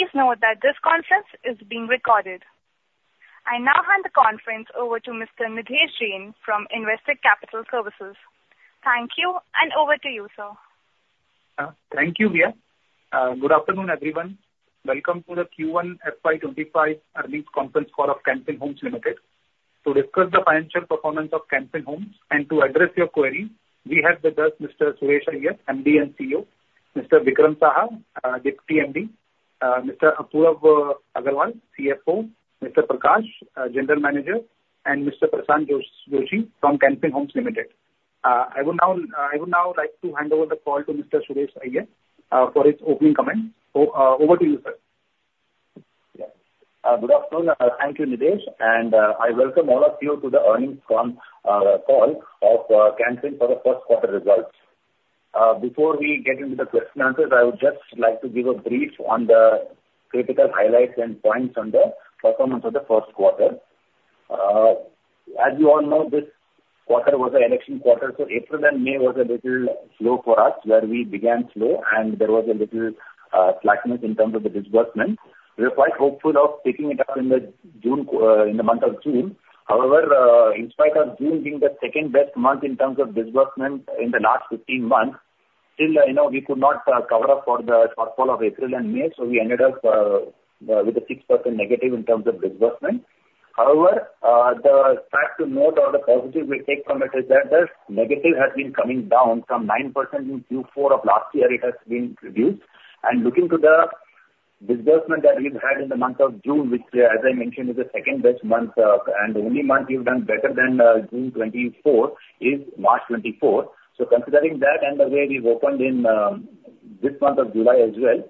Please note that this conference is being recorded. I now hand the conference over to Mr. Nilesh Jain from Investec Capital Services. Thank you, and over to you, sir. Thank you, dear. Good afternoon, everyone. Welcome to the Q1 FY25 earnings conference call of Can Fin Homes Limited. To discuss the financial performance of Can Fin Homes and to address your queries, we have with us Mr. Suresh Iyer, MD and CEO, Mr. Vikram Saha, Deputy MD, Mr. Apurav Agarwal, CFO, Mr. Prakash, General Manager, and Mr. Prashanth Joishy from Can Fin Homes Limited. I would now like to hand over the call to Mr. Suresh Iyer for his opening comments. Over to you, sir. Good afternoon. Thank you, Nilesh. I welcome all of you to the earnings call of Can Fin for the first quarter results. Before we get into the question and answers, I would just like to give a brief on the critical highlights and points on the performance of the first quarter. As you all know, this quarter was an election quarter, so April and May was a little slow for us, where we began slow, and there was a little slackness in terms of the disbursement. We were quite hopeful of picking it up in the month of June. However, in spite of June being the second-best month in terms of disbursement in the last 15 months, still we could not cover up for the shortfall of April and May, so we ended up with a 6% negative in terms of disbursement. However, the fact to note or the positive we take from it is that the negative has been coming down from 9% in Q4 of last year. It has been reduced. Looking to the disbursement that we've had in the month of June, which, as I mentioned, is the second-best month and the only month we've done better than June 2024, is March 2024. Considering that and the way we've opened in this month of July as well,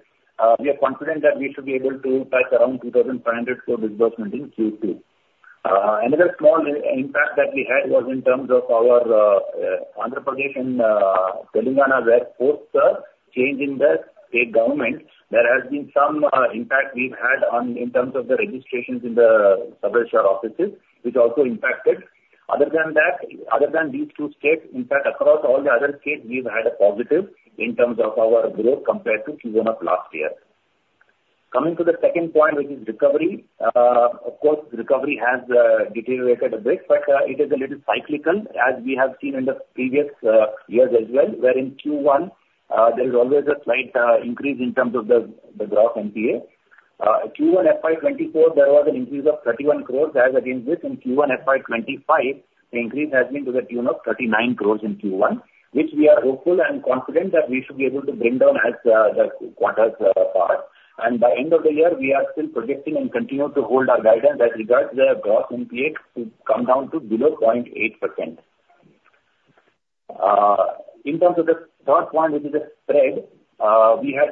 we are confident that we should be able to touch around 2,500 crore disbursement in Q2. Another small impact that we had was in terms of our Andhra Pradesh and Telangana where, post the changing of the state government, there has been some impact we've had in terms of the registrations in the sub-regional offices, which also impacted. Other than these two states, in fact, across all the other states, we've had a positive in terms of our growth compared to Q1 of last year. Coming to the second point, which is recovery, of course, recovery has deteriorated a bit, but it is a little cyclical, as we have seen in the previous years as well, where in Q1, there is always a slight increase in terms of the gross NPA. Q1 FY24, there was an increase of 31 crore. As against this, in Q1 FY25, the increase has been to the tune of 39 crore in Q1, which we are hopeful and confident that we should be able to bring down as the quarters pass. And by the end of the year, we are still projecting and continue to hold our guidance as regards to the gross NPA to come down to below 0.8%. In terms of the third point, which is the spread, we had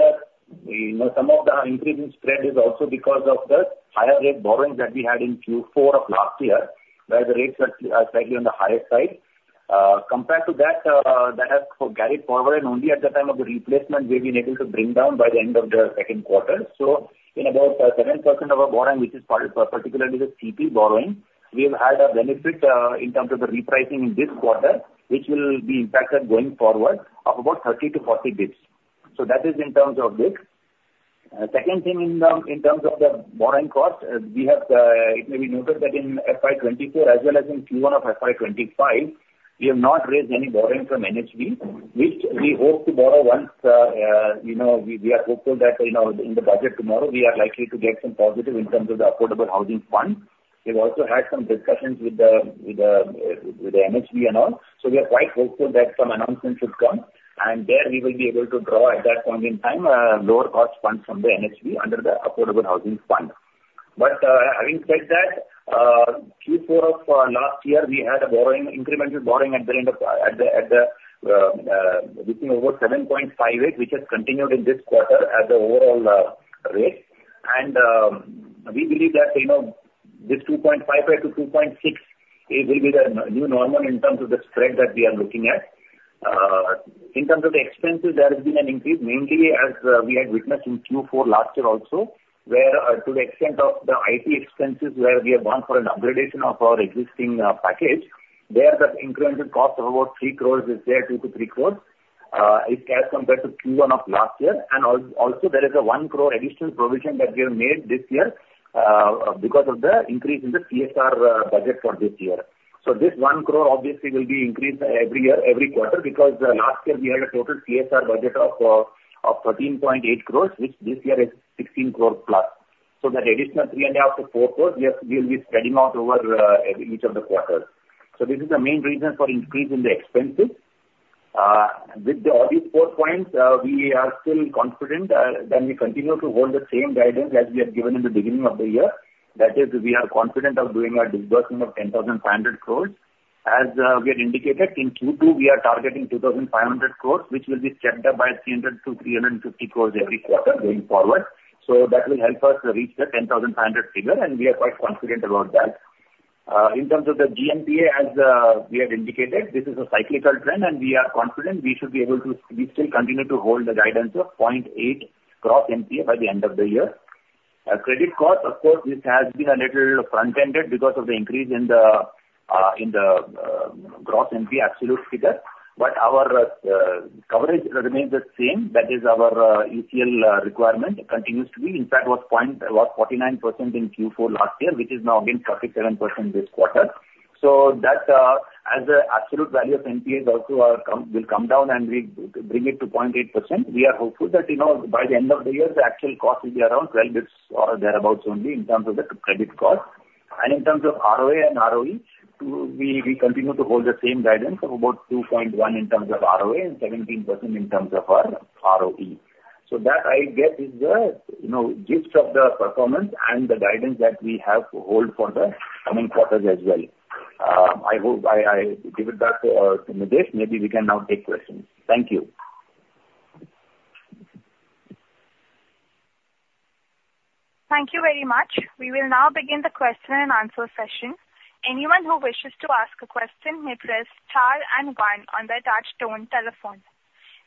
some of the increase in spread is also because of the higher rate borrowing that we had in Q4 of last year, where the rates are slightly on the higher side. Compared to that, that has carried forward, and only at the time of the replacement, we've been able to bring down by the end of the second quarter. So in about 7% of our borrowing, which is particularly the CP borrowing, we've had a benefit in terms of the repricing in this quarter, which will be impacted going forward of about 30-40 basis points. So that is in terms of this. Second thing, in terms of the borrowing cost, it may be noted that in FY2024, as well as in Q1 of FY2025, we have not raised any borrowing from NHB, which we hope to borrow once. We are hopeful that in the budget tomorrow, we are likely to get some positive in terms of the Affordable Housing Fund. We've also had some discussions with the NHB and all. So we are quite hopeful that some announcements should come, and there we will be able to draw at that point in time lower-cost funds from the NHB under the Affordable Housing Fund. But having said that, Q4 of last year, we had incremental borrowing at the rate of between over 7.58, which has continued in this quarter at the overall rate. We believe that this 2.58-2.68 will be the new normal in terms of the spread that we are looking at. In terms of the expenses, there has been an increase, mainly as we had witnessed in Q4 last year also, where to the extent of the IT expenses, where we have gone for an upgradation of our existing package, there the incremental cost of about 3 crores is there, 2 crores-3 crores, as compared to Q1 of last year. And also, there is a 1 crore additional provision that we have made this year because of the increase in the CSR budget for this year. So this 1 crore obviously will be increased every year, every quarter, because last year we had a total CSR budget of 13.8 crores, which this year is 16 crores plus. So that additional 3.5-4 crores, we will be spreading out over each of the quarters. So this is the main reason for increase in the expenses. With these four points, we are still confident that we continue to hold the same guidance as we had given in the beginning of the year. That is, we are confident of doing our disbursement of 10,500 crores. As we had indicated, in Q2, we are targeting 2,500 crores, which will be stretched up by 300-350 crores every quarter going forward. So that will help us reach the 10,500 figure, and we are quite confident about that. In terms of the GNPA, as we had indicated, this is a cyclical trend, and we are confident we should be able to still continue to hold the guidance of 0.8% gross NPA by the end of the year. Credit cost, of course, this has been a little front-ended because of the increase in the gross NPA absolute figure, but our coverage remains the same. That is, our ECL requirement continues to be. In fact, it was 49% in Q4 last year, which is now again 47% this quarter. So that, as the absolute value of NPAs also will come down and we bring it to 0.8%, we are hopeful that by the end of the year, the actual cost will be around 12 basis points or thereabouts only in terms of the credit cost. And in terms of ROA and ROE, we continue to hold the same guidance of about 2.1 in terms of ROA and 17% in terms of our ROE. So that I get is the gist of the performance and the guidance that we have to hold for the coming quarters as well. I give it back to Nilesh. Maybe we can now take questions. Thank you. Thank you very much. We will now begin the question and answer session. Anyone who wishes to ask a question may press star and one on the touch-tone telephone.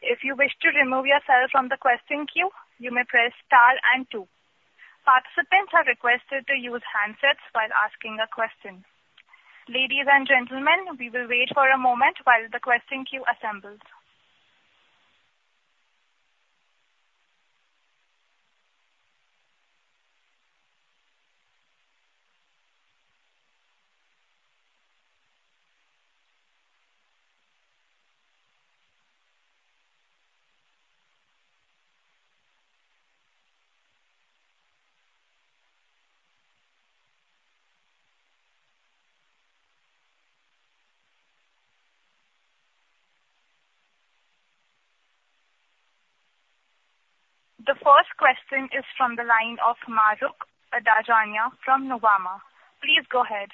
If you wish to remove yourself from the question queue, you may press star and two. Participants are requested to use handsets while asking a question. Ladies and gentlemen, we will wait for a moment while the question queue assembles. The first question is from the line of Mahrukh Adajania from Nuvama. Please go ahead.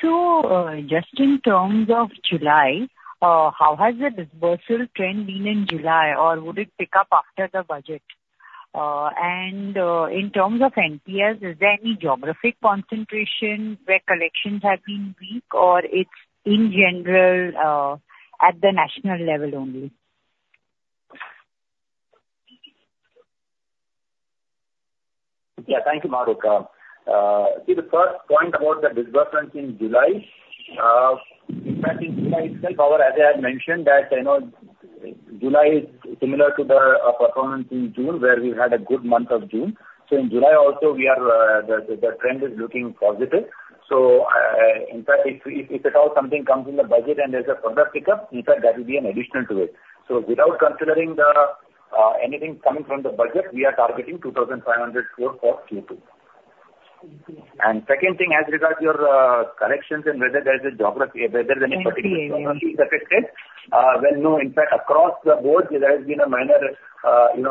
So just in terms of July, how has the disbursal trend been in July, or would it pick up after the budget? And in terms of NPAs, is there any geographic concentration where collections have been weak, or it's in general at the national level only? Yeah, thank you, Mahrukh. See, the first point about the disbursements in July, in fact, in July itself, as I had mentioned, that July is similar to the performance in June, where we've had a good month of June. So in July also, the trend is looking positive. So in fact, if at all something comes in the budget and there's a further pickup, in fact, that would be an additional to it. So without considering anything coming from the budget, we are targeting 2,500 crore for Q2. And second thing, as regards your collections and whether there's a geography, whether there's any particular geography affected, well, no. In fact, across the board, there has been a minor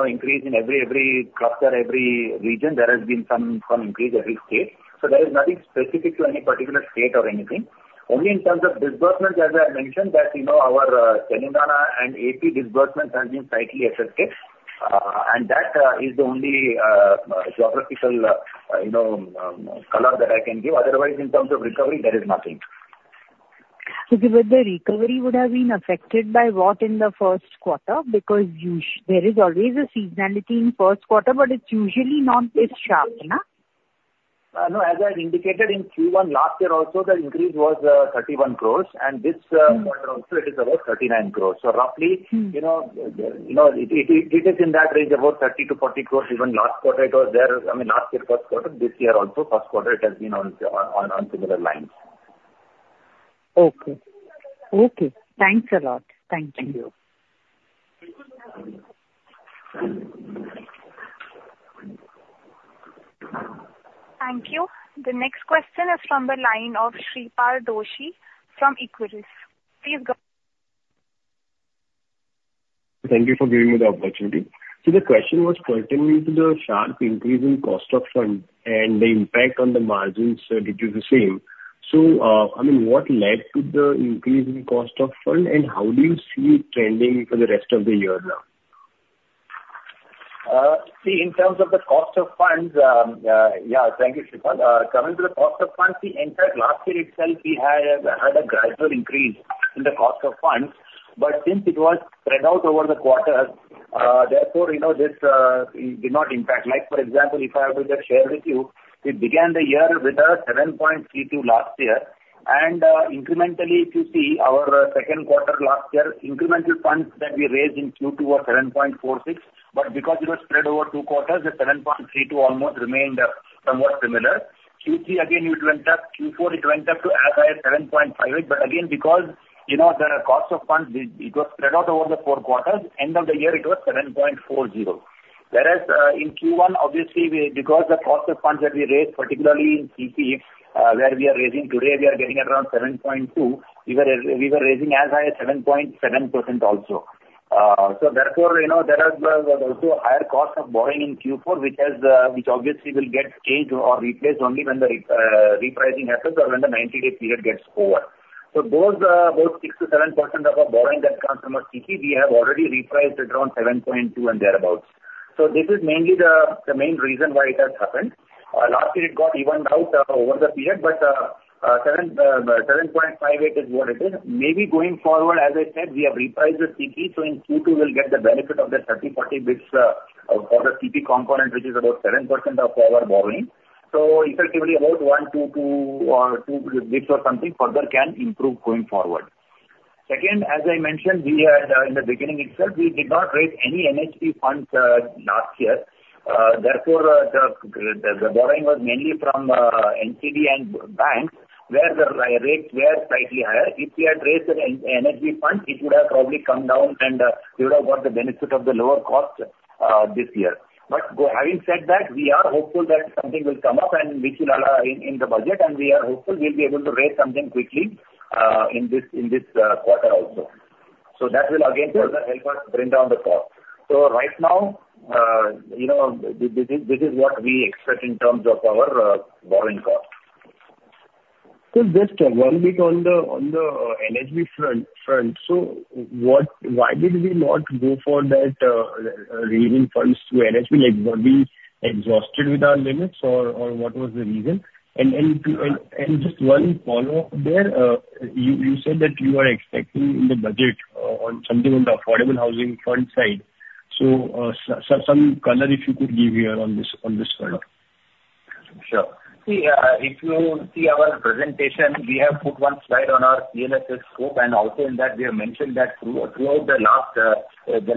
increase in every cluster, every region. There has been some increase every state. So there is nothing specific to any particular state or anything. Only in terms of disbursements, as I had mentioned, that our Telangana and AP disbursements have been slightly affected. And that is the only geographical color that I can give. Otherwise, in terms of recovery, there is nothing. So the recovery would have been affected by what in the first quarter? Because there is always a seasonality in first quarter, but it's usually not this sharp, isn't it? No, as I had indicated in Q1 last year also, the increase was 31 crore. And this quarter also, it is about 39 crore. So roughly, it is in that range, about 30 crore-40 crore even last quarter. It was there, I mean, last year, first quarter. This year also, first quarter, it has been on similar lines. Okay. Okay. Thanks a lot. Thank you. Thank you. Thank you. The next question is from the line of Shripal Doshi from Equirus. Please go. Thank you for giving me the opportunity. So the question was pertinent to the sharp increase in cost of funds and the impact on the margins that it is the same. So I mean, what led to the increase in cost of funds, and how do you see it trending for the rest of the year now? See, in terms of the cost of funds, yeah, thank you, Shripal. Coming to the cost of funds, see, in fact, last year itself, we had a gradual increase in the cost of funds. But since it was spread out over the quarters, therefore this did not impact. Like, for example, if I were to just share with you, we began the year with a 7.32 last year. And incrementally, if you see, our second quarter last year, incremental funds that we raised in Q2 were 7.46. But because it was spread over two quarters, the 7.32 almost remained somewhat similar. Q3, again, it went up. Q4, it went up to as high as 7.58. But again, because the cost of funds, it was spread out over the four quarters, end of the year, it was 7.40. Whereas in Q1, obviously, because the cost of funds that we raised, particularly in CP, where we are raising today, we are getting around 7.2, we were raising as high as 7.7% also. So therefore, there was also a higher cost of borrowing in Q4, which obviously will get changed or replaced only when the repricing happens or when the 90-day period gets over. So those about 6%-7% of our borrowing that comes from our CP, we have already repriced around 7.2 and thereabouts. So this is mainly the main reason why it has happened. Last year, it got evened out over the period, but 7.58 is what it is. Maybe going forward, as I said, we have repriced the CP, so in Q2, we'll get the benefit of the 30-40 basis points for the CP component, which is about 7% of our borrowing. So effectively, about 1.22 or 2 basis points or something further can improve going forward. Second, as I mentioned, in the beginning itself, we did not raise any NHB funds last year. Therefore, the borrowing was mainly from NCD and banks, where the rates were slightly higher. If we had raised the NHB funds, it would have probably come down, and we would have got the benefit of the lower cost this year. But having said that, we are hopeful that something will come up, and which will allow in the budget, and we are hopeful we'll be able to raise something quickly in this quarter also. So that will, again, further help us bring down the cost. So right now, this is what we expect in terms of our borrowing cost. So just one bit on the NHB front. So why did we not go for that refinance funds from NHB? Were we exhausted with our limits, or what was the reason? And just one follow-up there. You said that you are expecting in the budget on something on the Affordable Housing Fund side. So some color, if you could give here on this front. Sure. See, if you see our presentation, we have put one slide on our CLSS scope, and also in that, we have mentioned that throughout the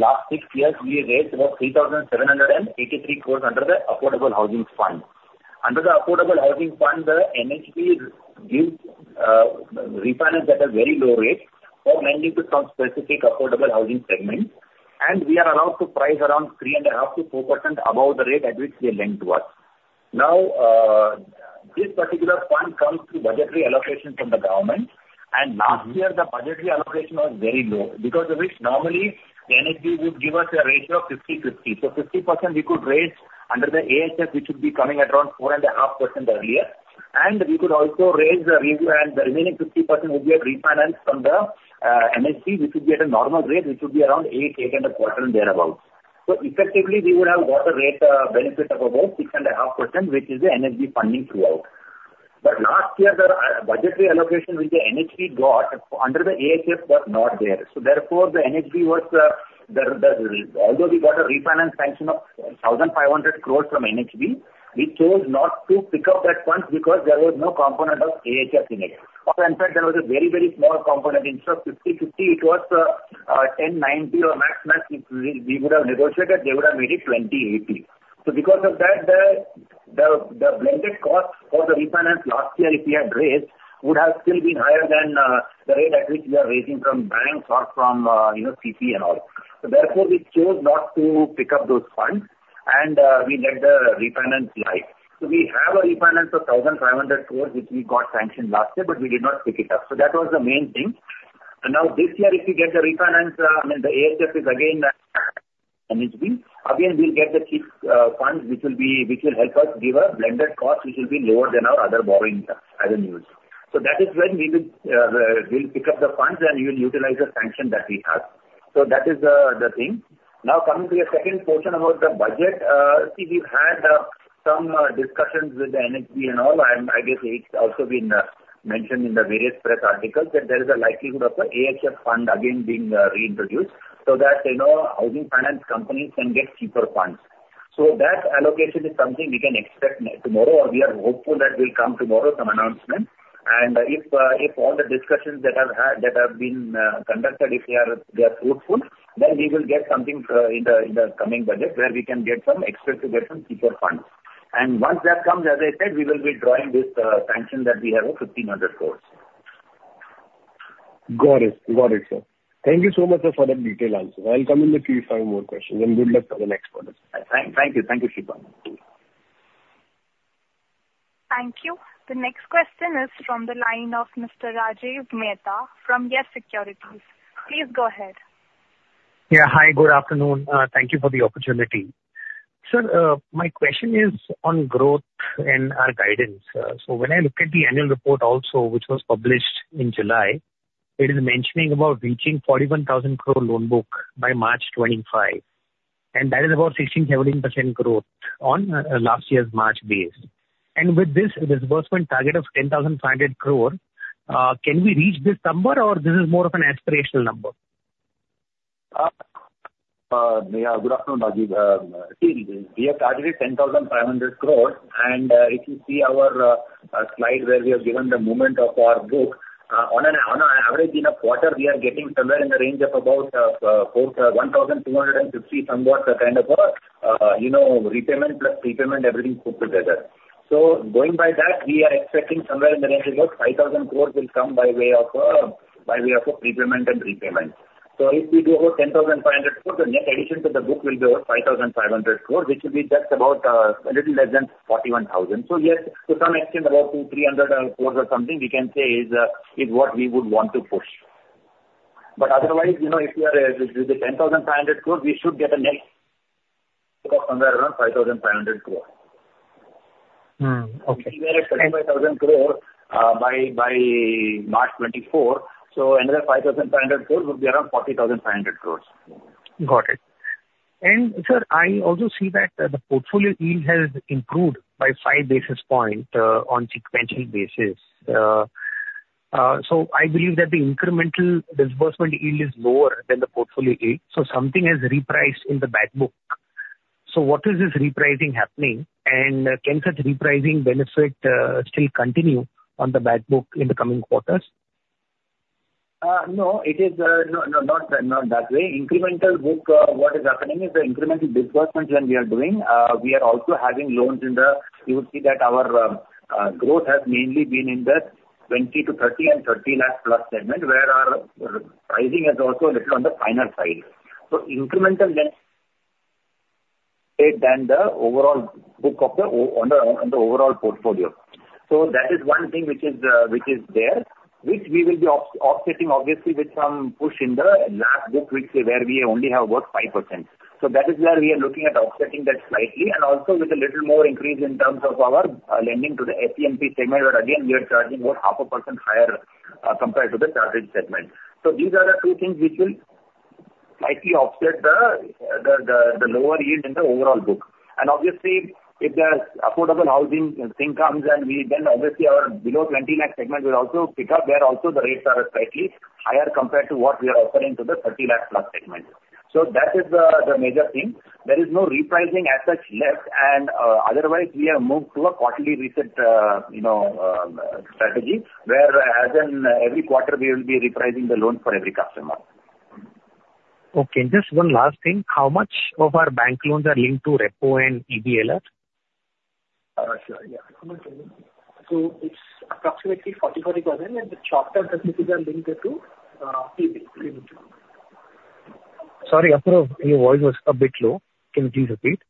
last six years, we raised about 3,783 crore under the Affordable Housing Fund. Under the Affordable Housing Fund, the NHB gives refinance at a very low rate for lending to some specific Affordable Housing segment. And we are allowed to price around 3.5%-4% above the rate at which they lend to us. Now, this particular fund comes through budgetary allocation from the government. And last year, the budgetary allocation was very low, because of which normally the NHB would give us a ratio of 50/50. So 50% we could raise under the AHF, which would be coming at around 4.5% earlier. We could also raise the remaining 50%, which we had refinanced from the NHB, which would be at a normal rate, which would be around 8-8.25 and thereabouts. So effectively, we would have got a rate benefit of about 6.5%, which is the NHB funding throughout. But last year, the budgetary allocation which the NHB got under the AHF was not there. So therefore, the NHB was, although we got a refinance sanction of 1,500 crore from NHB, we chose not to pick up that fund because there was no component of AHF in it. In fact, there was a very, very small component. Instead of 50/50, it was 10/90 or max-max. If we would have negotiated, they would have made it 20/80. So because of that, the blended cost for the refinance last year, if we had raised, would have still been higher than the rate at which we are raising from banks or from CP and all. So therefore, we chose not to pick up those funds, and we let the refinance slide. So we have a refinance of 1,500 crore, which we got sanctioned last year, but we did not pick it up. So that was the main thing. Now, this year, if we get the refinance, I mean, the AHF is again. NHB. Again, we'll get the cheap funds, which will help us give a blended cost, which will be lower than our other borrowing avenues. So that is when we will pick up the funds, and we will utilize the sanction that we have. So that is the thing. Now, coming to the second portion about the budget, see, we've had some discussions with the NHB and all. I guess it's also been mentioned in the various press articles that there is a likelihood of the AHF fund again being reintroduced so that housing finance companies can get cheaper funds. So that allocation is something we can expect tomorrow, or we are hopeful that will come tomorrow, some announcement. And if all the discussions that have been conducted, if they are fruitful, then we will get something in the coming budget where we can get some access to get some cheaper funds. And once that comes, as I said, we will be drawing this sanction that we have of 1,500 crore. Got it. Got it, sir. Thank you so much for the detailed answer. I'll come in the queue if I have more questions. Good luck for the next quarter. Thank you. Thank you, Shripal. Thank you. The next question is from the line of Mr. Rajiv Mehta from YES Securities. Please go ahead. Yeah, hi. Good afternoon. Thank you for the opportunity. Sir, my question is on growth and our guidance. So when I look at the annual report also, which was published in July, it is mentioning about reaching 41,000 crore loan book by March 2025. And that is about 16%-17% growth on last year's March base. And with this disbursement target of 10,500 crore, can we reach this number, or this is more of an aspirational number? Yeah, good afternoon, Rajiv. See, we have targeted 10,500 crore. And if you see our slide where we have given the movement of our book, on an average in a quarter, we are getting somewhere in the range of about 1,250 somewhat, kind of a repayment plus prepayment, everything put together. So going by that, we are expecting somewhere in the range of about 5,000 crore will come by way of prepayment and repayment. So if we do about 10,500 crore, the net addition to the book will be about 5,500 crore, which will be just about a little less than 41,000 crore. So yes, to some extent, about 2,300 crores or something, we can say is what we would want to push. But otherwise, if we are with the 10,500 crore, we should get a net of somewhere around 5,500 crore. If we are at 25,000 crore by March 2024, so another 5,500 crore would be around 40,500 crores. Got it. And sir, I also see that the portfolio yield has improved by 5 basis points on sequential basis. So I believe that the incremental disbursement yield is lower than the portfolio yield. So something has repriced in the backbook. So what is this repricing happening? And can such repricing benefit still continue on the backbook in the coming quarters? No, it is not that way. Incremental book, what is happening is the incremental disbursement when we are doing, we are also having loans in the. You will see that our growth has mainly been in the 20-30 and 30 lakh plus segment, where our pricing has also a little on the finer side. So incremental benefit than the overall book on the overall portfolio. So that is one thing which is there, which we will be offsetting, obviously, with some push in the last book, which where we only have about 5%. So that is where we are looking at offsetting that slightly. And also with a little more increase in terms of our lending to the SENP segment, where again, we are charging about 0.5% higher compared to the salaried segment. So these are the two things which will slightly offset the lower yield in the overall book. And obviously, if the Affordable Housing thing comes, then obviously our below 20 lakh segment will also pick up, where also the rates are slightly higher compared to what we are offering to the 30 lakh plus segment. So that is the major thing. There is no repricing as such left. And otherwise, we have moved to a quarterly reset strategy, where as in every quarter, we will be repricing the loans for every customer. Okay. Just one last thing. How much of our bank loans are linked to Repo and EBLR? Sure. Yeah. So it's approximately 40-40%. And the short-term facilities are linked to T-Bill. Sorry, Apoorv, your voice was a bit low. Can you please repeat?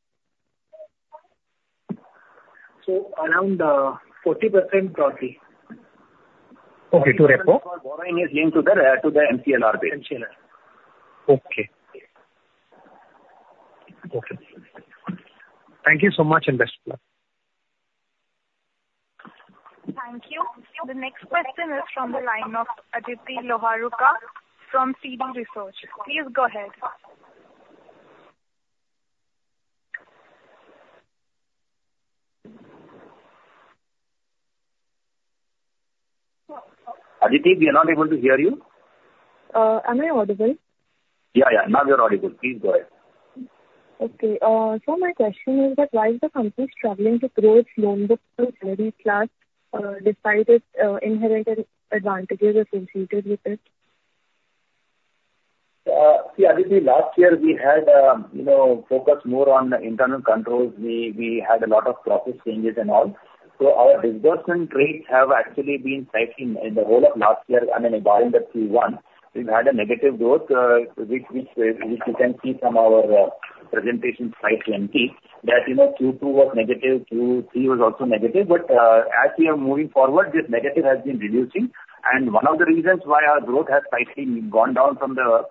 Around 40%. Okay. To repo? Borrowing is linked to the MCLR base. MCLR. Okay. Okay. Thank you so much and best of luck. Thank you. The next question is from the line of Aditi Loharuka from CD Equisearch. Please go ahead. Aditi, we are not able to hear you. Am I audible? Yeah, yeah. Now you're audible. Please go ahead. Okay. So my question is that why is the company struggling to grow its loan book to its very class despite its inherent advantages associated with it? See, Aditi, last year, we had focused more on internal controls. We had a lot of process changes and all. So our disbursement rates have actually been slightly in the whole of last year, I mean, barring the Q1, we've had a negative growth, which you can see from our presentation slide 20. That Q2 was negative. Q3 was also negative. But as we are moving forward, this negative has been reducing. And one of the reasons why our growth has slightly gone down from the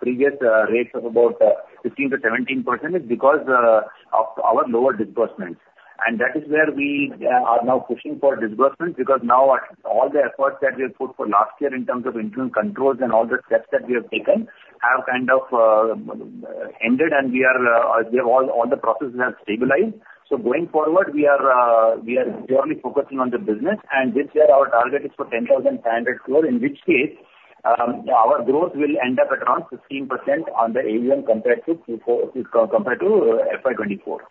previous rates of about 15%-17% is because of our lower disbursements. And that is where we are now pushing for disbursements, because now all the efforts that we have put for last year in terms of internal controls and all the steps that we have taken have kind of ended, and all the processes have stabilized. Going forward, we are purely focusing on the business. This year, our target is for 10,500 crore, in which case our growth will end up at around 15% on the AUM compared to FY 2024.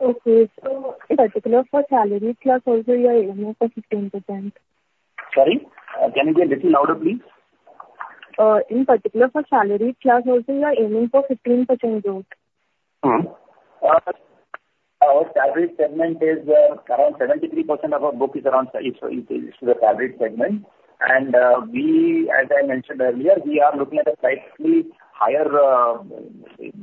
Okay. So in particular for salaried class, also you are aiming for 15%. Sorry? Can you be a little louder, please? In particular for salaried class, also you are aiming for 15% growth. Our salaried segment is around 73% of our book. It's the salaried segment. And as I mentioned earlier, we are looking at a slightly higher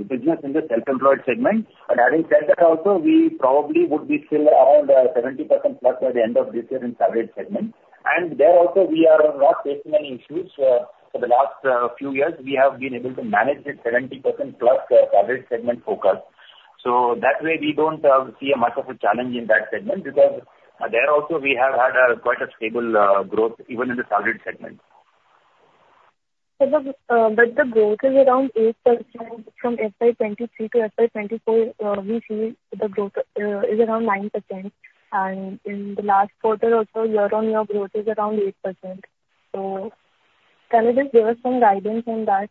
business in the self-employed segment. But having said that, also, we probably would be still around 70%+ by the end of this year in salaried segment. And there also, we are not facing any issues. For the last few years, we have been able to manage this 70%+ salaried segment focus. So that way, we don't see much of a challenge in that segment, because there also, we have had quite a stable growth, even in the salaried segment. But the growth is around 8%. From FY23 to FY24, we see the growth is around 9%. And in the last quarter also, year-on-year growth is around 8%. So can you just give us some guidance on that?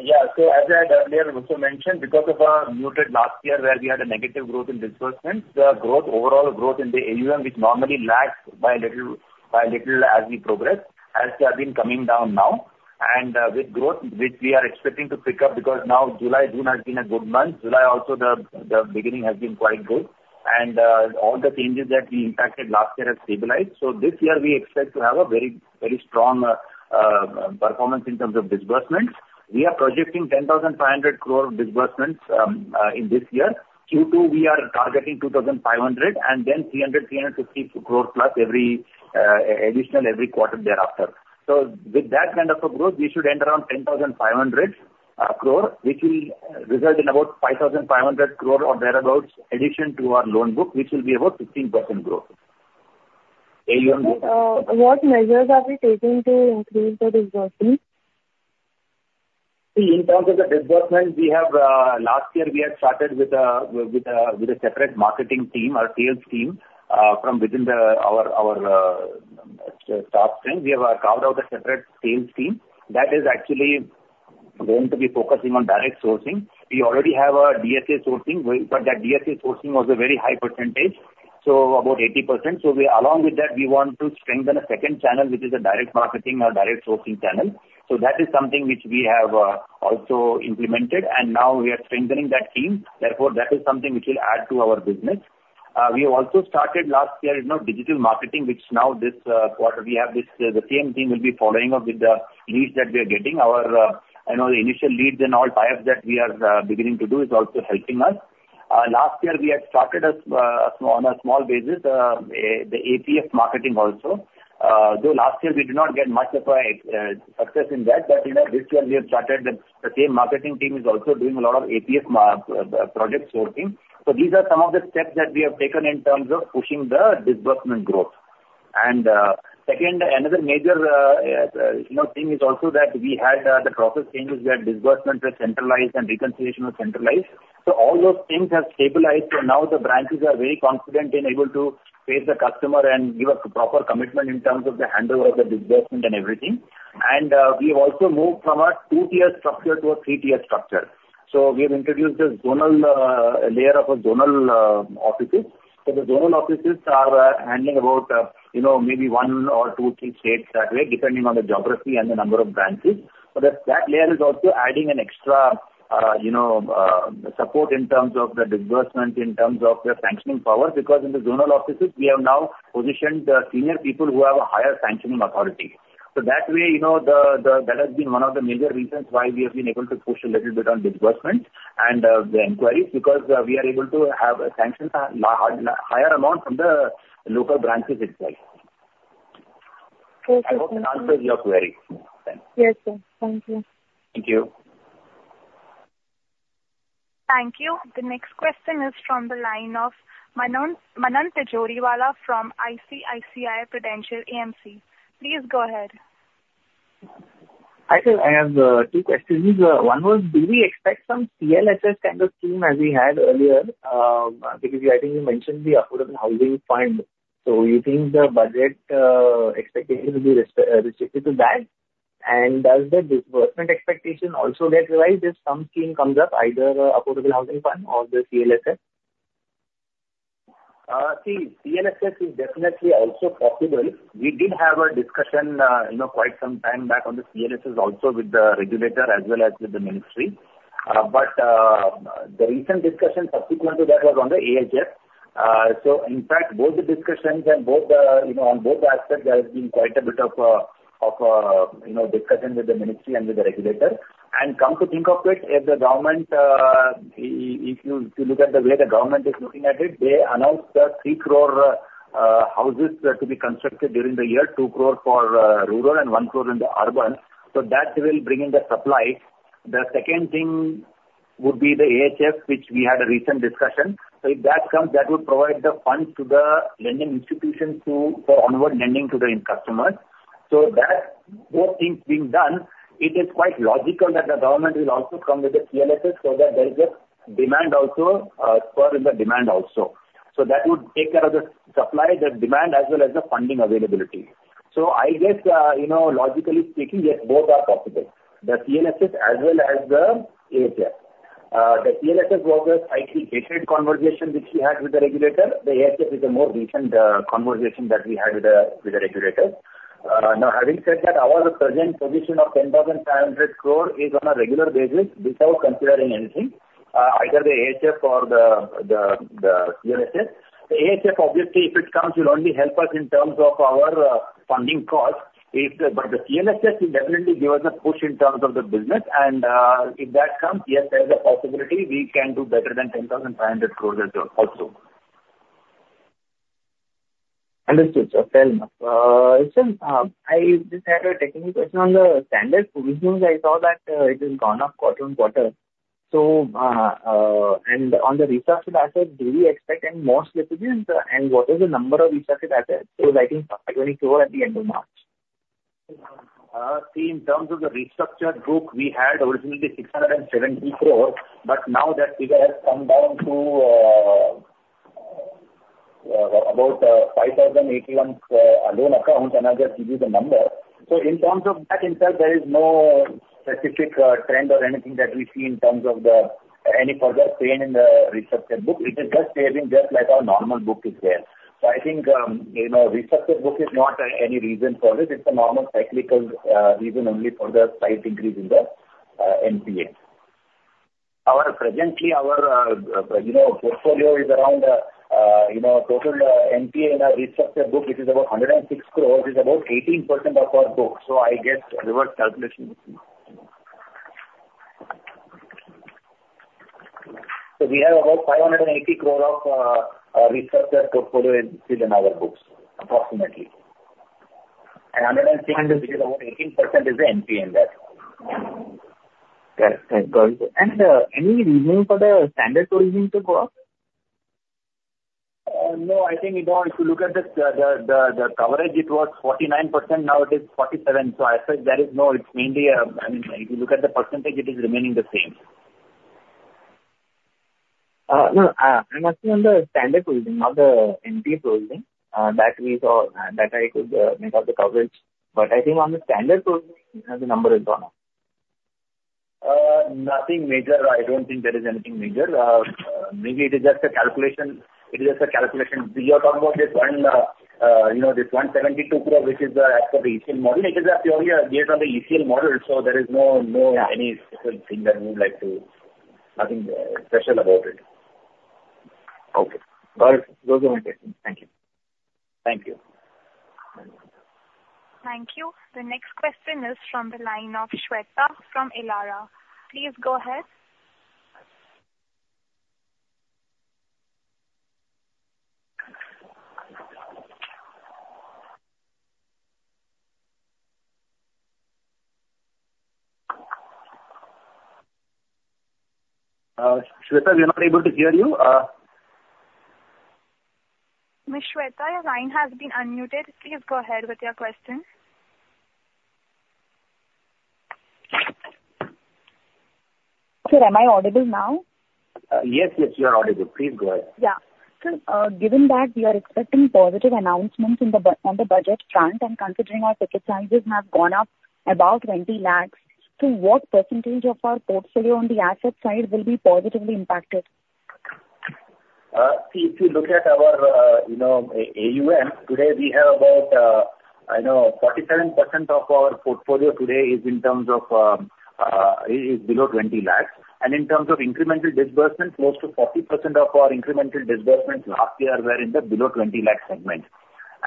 Yeah. So as I had earlier also mentioned, because of our muted last year where we had a negative growth in disbursements, the overall growth in the AUM, which normally lags by a little as we progress, has been coming down now. And with growth, which we are expecting to pick up, because now July June has been a good month. July also, the beginning has been quite good. And all the changes that we impacted last year have stabilized. So this year, we expect to have a very strong performance in terms of disbursements. We are projecting 10,500 crore disbursements in this year. Q2, we are targeting 2,500 crore, and then 300-350 crore plus additional every quarter thereafter. So with that kind of a growth, we should end around 10,500 crore, which will result in about 5,500 crore or thereabouts addition to our loan book, which will be about 15% growth. What measures are we taking to increase the disbursement? See, in terms of the disbursements, last year, we had started with a separate marketing team, our sales team from within our staff strength. We have carved out a separate sales team that is actually going to be focusing on direct sourcing. We already have a DSA sourcing, but that DSA sourcing was a very high percentage, so about 80%. So along with that, we want to strengthen a second channel, which is a direct marketing or direct sourcing channel. So that is something which we have also implemented. And now we are strengthening that team. Therefore, that is something which will add to our business. We have also started last year digital marketing, which now this quarter we have the same team will be following up with the leads that we are getting. Our initial leads and all types that we are beginning to do is also helping us. Last year, we had started, on a small basis, the APF marketing also. Though last year, we did not get much of a success in that, but this year, we have started; the same marketing team is also doing a lot of APF project sourcing. So these are some of the steps that we have taken in terms of pushing the disbursement growth. And second, another major thing is also that we had the process changes where disbursement was centralized and reconciliation was centralized. So all those things have stabilized. So now the branches are very confident in able to face the customer and give a proper commitment in terms of the handover of the disbursement and everything. And we have also moved from a two-tier structure to a three-tier structure. So we have introduced a zonal layer of zonal offices. So the zonal offices are handling about maybe one or two, three states that way, depending on the geography and the number of branches. But that layer is also adding an extra support in terms of the disbursement, in terms of the sanctioning power, because in the zonal offices, we have now positioned senior people who have a higher sanctioning authority. So that way, that has been one of the major reasons why we have been able to push a little bit on disbursement and the inquiries, because we are able to have sanctioned a higher amount from the local branches itself. I hope that answers your query. Yes, sir. Thank you. Thank you. Thank you. The next question is from the line of Manan Tejura from ICICI Prudential AMC. Please go ahead. Actually, I have two questions. One was, do we expect some CLSS kind of scheme as we had earlier? Because I think you mentioned the Affordable Housing Fund. So you think the budget expectation will be restricted to that? And does the disbursement expectation also get revised if some scheme comes up, either Affordable Housing Fund or the CLSS? See, CLSS is definitely also possible. We did have a discussion quite some time back on the CLSS also with the regulator as well as with the ministry. But the recent discussion subsequent to that was on the AHF. So in fact, both the discussions and on both aspects, there has been quite a bit of discussion with the ministry and with the regulator. And come to think of it, if the government, if you look at the way the government is looking at it, they announced the 3 crore houses to be constructed during the year, 2 crore for rural and 1 crore in the urban. So that will bring in the supply. The second thing would be the AHF, which we had a recent discussion. So if that comes, that would provide the funds to the lending institutions for onward lending to the customers. So both things being done, it is quite logical that the government will also come with the CLSS so that there is a demand also, spur in the demand also. So that would take care of the supply, the demand, as well as the funding availability. So I guess, logically speaking, yes, both are possible. The CLSS as well as the AHF. The CLSS was a slightly dated conversation which we had with the regulator. The AHF is a more recent conversation that we had with the regulator. Now, having said that, our present position of 10,500 crore is on a regular basis without considering anything, either the AHF or the CLSS. The AHF, obviously, if it comes, will only help us in terms of our funding cost. But the CLSS will definitely give us a push in terms of the business. And if that comes, yes, there is a possibility we can do better than 10,500 crore also. Understood. Well. I just had a technical question on the standard provisions. I saw that it has gone up quarter-on-quarter. And on the restructured assets, do we expect any more slippages? And what is the number of restructured assets? So I think 520 crore at the end of March. See, in terms of the restructured book, we had originally 670 crore, but now that figure has come down to about 5,081 loan accounts, and I'll just give you the number. So in terms of that itself, there is no specific trend or anything that we see in terms of any further change in the restructured book. It is just aging just like our normal book is there. So I think restructured book is not any reason for it. It's a normal cyclical reason only for the slight increase in the NPA. Presently, our portfolio is around total NPA in our restructured book, which is about 106 crore, is about 18% of our book. So I guess reverse calculation. So we have about 580 crore of restructured portfolio still in our books, approximately. And 106, which is about 18% is the NPA in that. Any reason for the standard provision to go up? Hi No, I think we don't. If you look at the coverage, it was 49%. Now it is 47%. So I suspect there is no, it's mainly, I mean, if you look at the percentage, it is remaining the same. I'm asking on the standard provision, not the NPA provision, that I could make up the coverage. But I think on the standard provision, the number is gone up. Nothing major. I don't think there is anything major. Maybe it is just a calculation. It is just a calculation. We are talking about this 172 crore, which is the actual ECL model. It is purely based on the ECL model. So there is no anything that we would like to, nothing special about it. Okay. Those are my questions. Thank you. Thank you. Thank you. The next question is from the line of Shweta from Elara. Please go ahead. Shweta, we are not able to hear you. Ms. Shweta, your line has been unmuted. Please go ahead with your question. Sir, am I audible now? Yes, yes, you are audible. Please go ahead. Yeah. Sir, given that we are expecting positive announcements on the budget front and considering our ticket sizes have gone up about 20 lakhs, to what percentage of our portfolio on the asset side will be positively impacted? See, if you look at our AUM, today we have about, I know, 47% of our portfolio today is in terms of below 20 lakhs. And in terms of incremental disbursement, close to 40% of our incremental disbursements last year were in the below 20 lakh segment.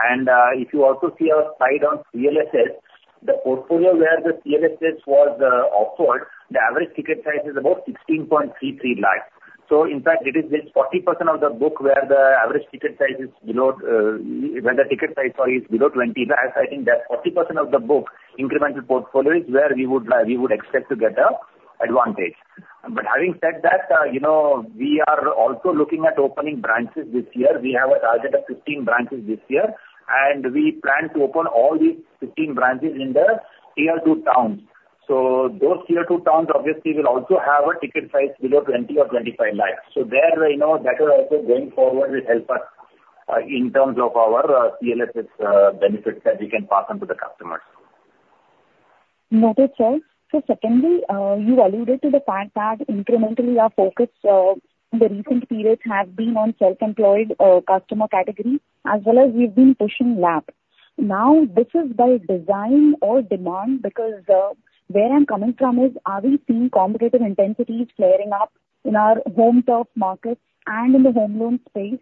And if you also see our slide on CLSS, the portfolio where the CLSS was offered, the average ticket size is about 16.33 lakhs. So in fact, it is 40% of the book where the average ticket size is below where the ticket size, sorry, is below 20 lakhs. I think that 40% of the book incremental portfolio is where we would expect to get an advantage. But having said that, we are also looking at opening branches this year. We have a target of 15 branches this year. We plan to open all these 15 branches in the tier two towns. Those tier two towns, obviously, will also have a ticket size below 20-25 lakh. That will also going forward will help us in terms of our CLSS benefits that we can pass on to the customers. That is so. So secondly, you alluded to the fact that incrementally, our focus in the recent periods has been on self-employed customer category, as well as we've been pushing LAP. Now, this is by design or demand, because where I'm coming from is, are we seeing competitive intensities flaring up in our home turf markets and in the home loan space,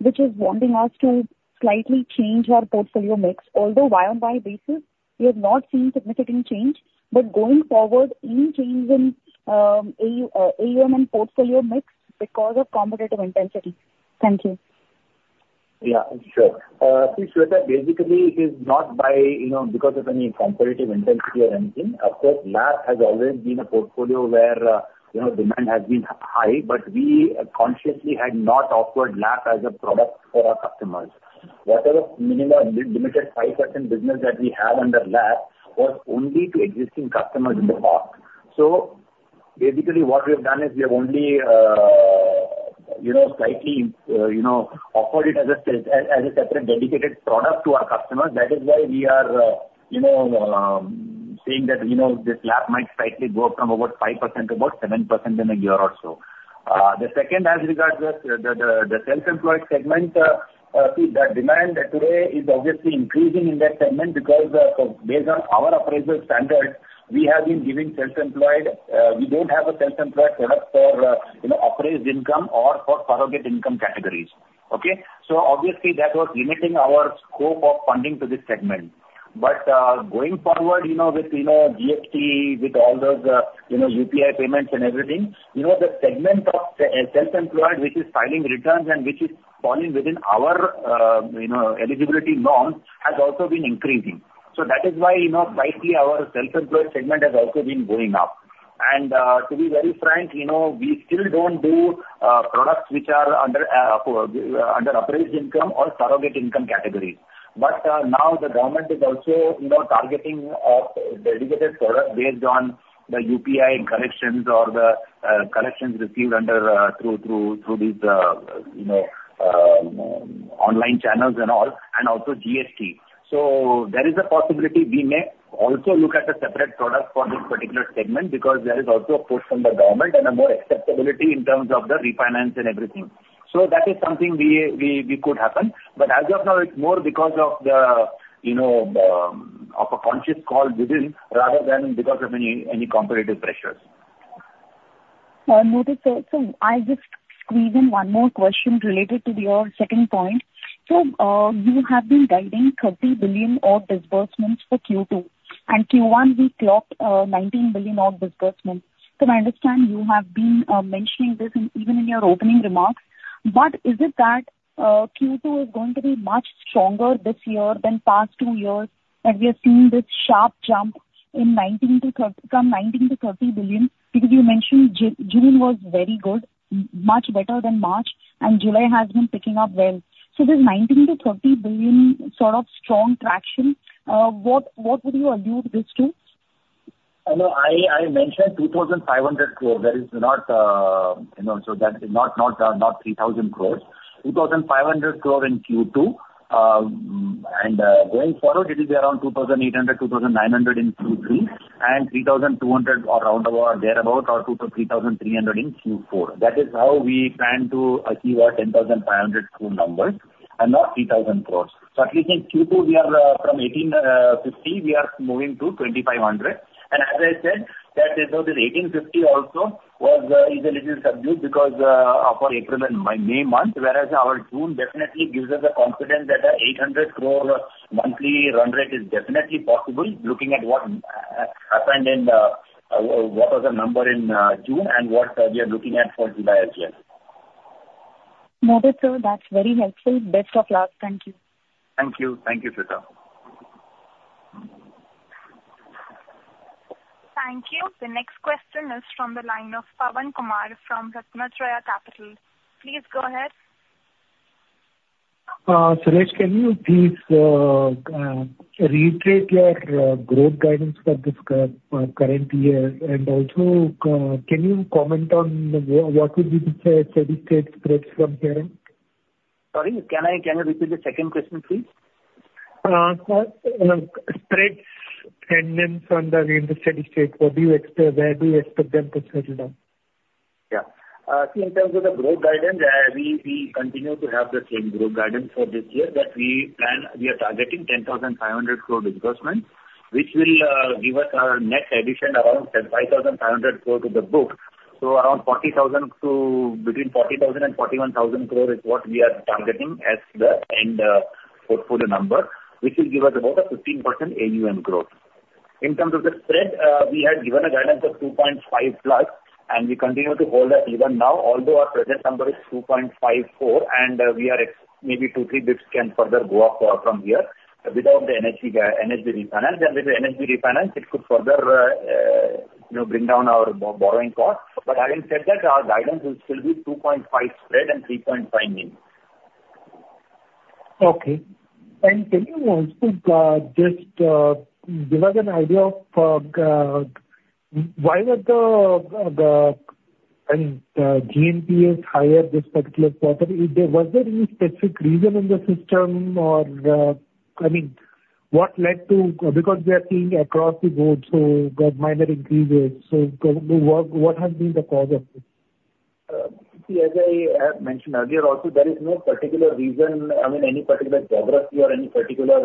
which is wanting us to slightly change our portfolio mix? Although, while on a YoY basis, we have not seen significant change. But going forward, any change in AUM and portfolio mix because of competitive intensity? Thank you. Yeah, sure. See, Shweta, basically, it is not because of any competitive intensity or anything. Of course, LAP has always been a portfolio where demand has been high, but we consciously had not offered LAP as a product for our customers. Whatever minimal limited 5% business that we have under LAP was only to existing customers in the past. So basically, what we have done is we have only slightly offered it as a separate dedicated product to our customers. That is why we are saying that this LAP might slightly go up from about 5% to about 7% in a year or so. The second, as regards the self-employed segment, see, that demand today is obviously increasing in that segment because based on our appraisal standards, we have been giving self-employed we don't have a self-employed product for appraised income or for surrogate income categories. Okay? So obviously, that was limiting our scope of funding to this segment. But going forward with GST, with all those UPI payments and everything, the segment of self-employed, which is filing returns and which is falling within our eligibility norms, has also been increasing. So that is why slightly our self-employed segment has also been going up. And to be very frank, we still don't do products which are under appraised income or surrogate income categories. But now the government is also targeting dedicated products based on the UPI collections or the collections received through these online channels and all, and also GST. So there is a possibility we may also look at a separate product for this particular segment because there is also a push from the government and a more acceptability in terms of the refinance and everything. So that is something that could happen. But as of now, it's more because of a conscious call within rather than because of any competitive pressures. Noted. So I just squeeze in one more question related to your second point. So you have been guiding 30 billion of disbursements for Q2. And Q1, we clocked 19 billion of disbursements. So I understand you have been mentioning this even in your opening remarks. But is it that Q2 is going to be much stronger this year than past two years that we have seen this sharp jump from 19 billion to 30 billion? Because you mentioned June was very good, much better than March, and July has been picking up well. So this 19 billion-30 billion sort of strong traction, what would you allude this to? I mentioned 2,500 crore. That is not so that is not 3,000 crore. 2,500 crore in Q2. And going forward, it will be around 2,800, 2,900 in Q3, and 3,200 or around about thereabout, or INR 2,000 to 3,300 in Q4. That is how we plan to achieve our 10,500 crore number and not 3,000 crore. So at least in Q2, from 1,850, we are moving to 2,500. And as I said, that is how the 1,850 also is a little subdued because of our April and May month, whereas our June definitely gives us a confidence that the 800 crore monthly run rate is definitely possible, looking at what happened and what was the number in June and what we are looking at for July as well. Noted. So that's very helpful. Best of luck. Thank you. Thank you. Thank you, Shweta. Thank you. The next question is from the line of Pavan Kumar from Ratnatraya Capital. Please go ahead. Suresh, can you please reiterate your growth guidance for this current year? And also, can you comment on what would be the steady state spreads from here? Sorry, can I repeat the second question, please? Spreads depending on the real estate sector, what do you expect? Where do you expect them to settle down? Yeah. See, in terms of the growth guidance, we continue to have the same growth guidance for this year that we are targeting 10,500 crore disbursements, which will give us our net addition around 5,500 crore to the book. So around between 40,000 crore and 41,000 crore is what we are targeting as the end portfolio number, which will give us about a 15% AUM growth. In terms of the spread, we had given a guidance of 2.5+, and we continue to hold that even now, although our present number is 2.54, and we are maybe two, three bps can further go up from here without the NHB refinance. And with the NHB refinance, it could further bring down our borrowing cost. But having said that, our guidance will still be 2.5 spread and 3.5 margin. Okay. And can you also just give us an idea of why was the—I mean, GMP is higher this particular quarter? Was there any specific reason in the system or I mean, what led to because we are seeing across the board, so minor increases? So what has been the cause of this? See, as I mentioned earlier, also, there is no particular reason, I mean, any particular geography or any particular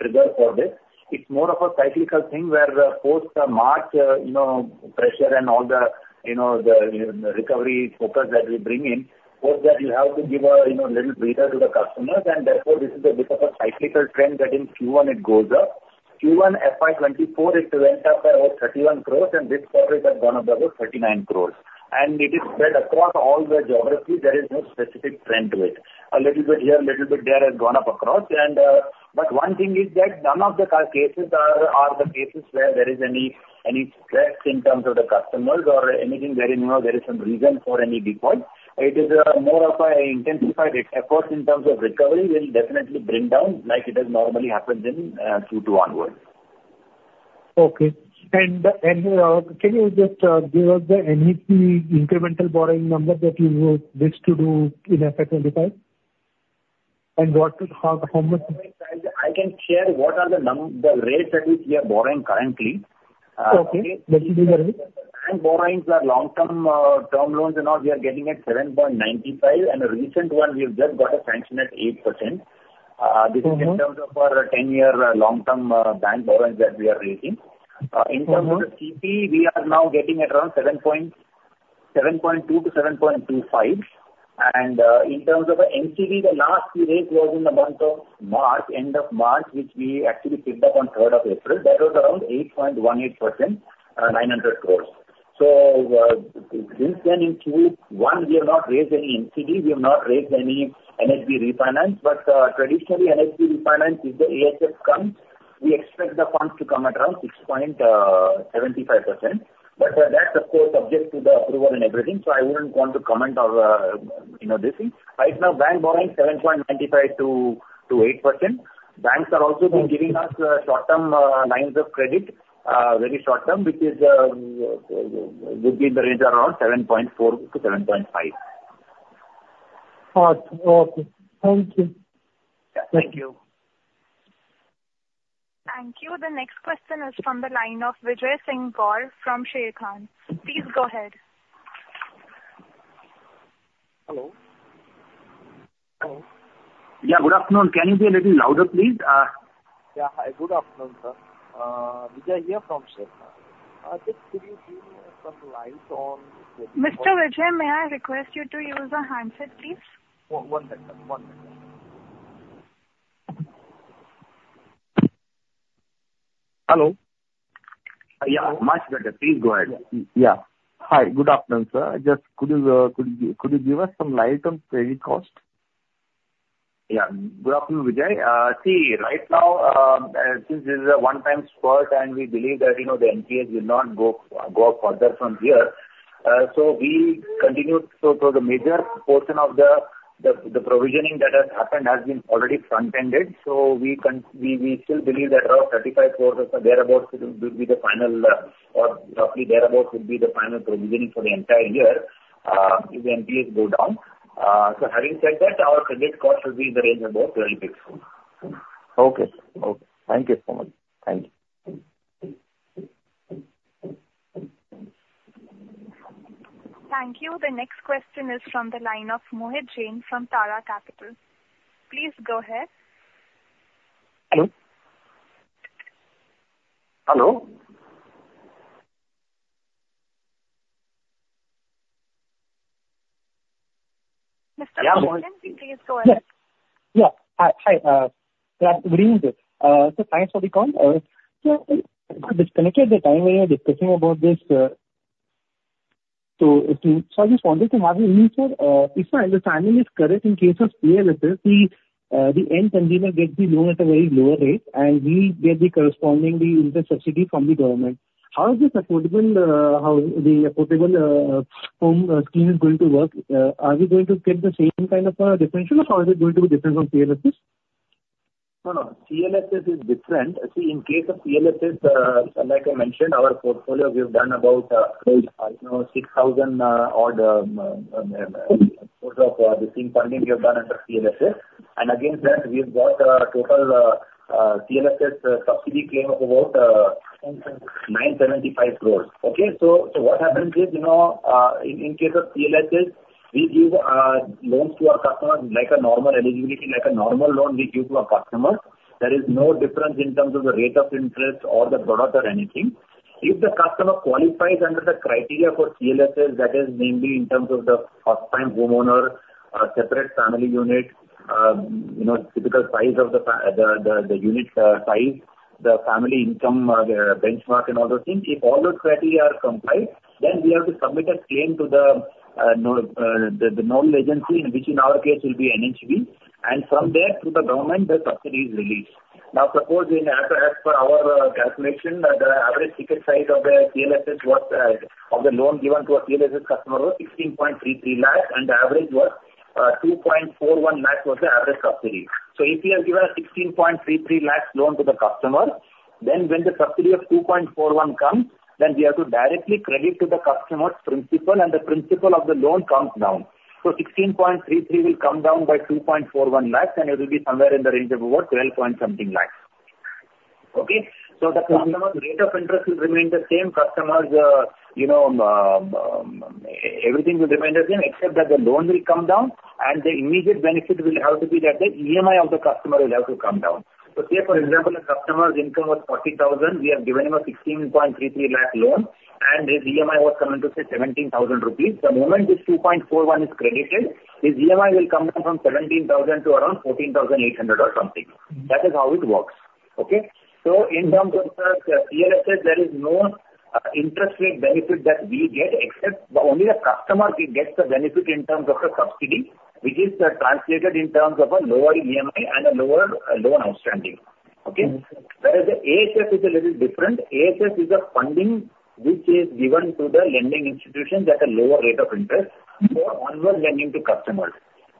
trigger for this. It's more of a cyclical thing where post-March pressure and all the recovery focus that we bring in, both that you have to give a little breather to the customers. And therefore, this is a bit of a cyclical trend that in Q1, it goes up. Q1 FY24, it went up by about 31 crore, and this quarter it has gone up by about 39 crore. And it is spread across all the geographies. There is no specific trend to it. A little bit here, a little bit there has gone up across. But one thing is that none of the cases are the cases where there is any stress in terms of the customers or anything where there is some reason for any default. It is more of an intensified effort in terms of recovery. Will definitely bring down like it has normally happened in Q2 onwards. Okay. And can you just give us the NHB incremental borrowing number that you wish to do in FY25? And how much? I can share what are the rates that we are borrowing currently. Okay. What is the rate? Bank borrowings are long-term term loans and all. We are getting [at] 7.95%. And the recent one, we have just got a sanction at 8%. This is in terms of our 10-year long-term bank borrowings that we are raising. In terms of the CP, we are now getting at around 7.2%-7.25%. And in terms of the NCD, the last we raised was in the month of March, end of March, which we actually picked up on 3rd of April. That was around 8.18%, 900 crore. So since then, in Q1, we have not raised any NCD. We have not raised any NHB refinance. But traditionally, NHB refinance is the AHF comes. We expect the funds to come at around 6.75%. But that's, of course, subject to the approval and everything. So I wouldn't want to comment on this thing. Right now, bank borrowing 7.95%-8%. Banks are also giving us short-term lines of credit, very short-term, which would be in the range around 7.4-7.5. Thank you. Yeah. Thank you. Thank you. The next question is from the line of Vijay Singh from Sharekhan. Please go ahead. Hello. Hello. Yeah, good afternoon. Can you be a little louder, please? Yeah. Hi, good afternoon, sir. Vijay here from Sharekhan. Just could you give me some light on? Mr. Vijay, may I request you to use a handset, please? One second. One second. Hello? Yeah. Much better. Please go ahead. Yeah. Hi, good afternoon, sir. Just could you give us some light on credit cost? Yeah. Good afternoon, Vijay. See, right now, since this is a one-time spurt, and we believe that the NPAs will not go up further from here. So we continued to the major portion of the provisioning that has happened has been already front-ended. So we still believe that around 35 crores or thereabouts will be the final or roughly thereabouts will be the final provisioning for the entire year if the NPAs goes down. So having said that, our credit cost will be in the range of about 12 basis points soon. Okay. Okay. Thank you so much. Thank you. Thank you. The next question is from the line of Mohit Jain from Tara Capital. Please go ahead. Hello. Hello? Mr. Yeah, Mohit? Please go ahead. Yeah. Hi. Good evening, sir. So thanks for the call. So I got disconnected at the time when we were discussing about this. So I just wanted to weigh in, sir, if the timing is correct in case of CLSS, the end consumer gets the loan at a very low rate, and we get the corresponding interest subsidy from the government. How is this affordable? How the affordable home scheme is going to work? Are we going to get the same kind of differential, or how is it going to be different from CLSS? No, no. CLSS is different. See, in case of CLSS, like I mentioned, our portfolio we've done about 6,000 odd sort of the same funding we have done under CLSS. And against that, we've got a total CLSS subsidy claim of about 975 crore. Okay? So what happens is, in case of CLSS, we give loans to our customers like a normal eligibility, like a normal loan we give to our customers. There is no difference in terms of the rate of interest or the product or anything. If the customer qualifies under the criteria for CLSS, that is mainly in terms of the first-time homeowner, separate family unit, typical size of the unit size, the family income benchmark, and all those things. If all those criteria are complied, then we have to submit a claim to the nodal agency, which in our case will be NHB. From there, to the government, the subsidy is released. Now, suppose as per our calculation, the average ticket size of the CLSS was of the loan given to a CLSS customer was 16.33 lakhs, and the average was 2.41 lakhs was the average subsidy. So if we have given a 16.33 lakhs loan to the customer, then when the subsidy of 2.41 comes, then we have to directly credit to the customer's principal, and the principal of the loan comes down. So 16.33 will come down by 2.41 lakhs, and it will be somewhere in the range of about 12 point something lakhs. Okay? So the customer's rate of interest will remain the same. Customer's everything will remain the same, except that the loan will come down, and the immediate benefit will have to be that the EMI of the customer will have to come down. So say, for example, a customer's income was 40,000 INR. We have given him a 16.33 lakh loan, and his EMI was coming to say 17,000 rupees. The moment this 2.41 is credited, his EMI will come down from 17,000 INR to around 14,800 INR or something. That is how it works. Okay? So in terms of the CLSS, there is no interest rate benefit that we get, except only the customer gets the benefit in terms of the subsidy, which is translated in terms of a lower EMI and a lower loan outstanding. Okay? Whereas the AHF is a little different. AHF is a funding which is given to the lending institution at a lower rate of interest for onward lending to customers.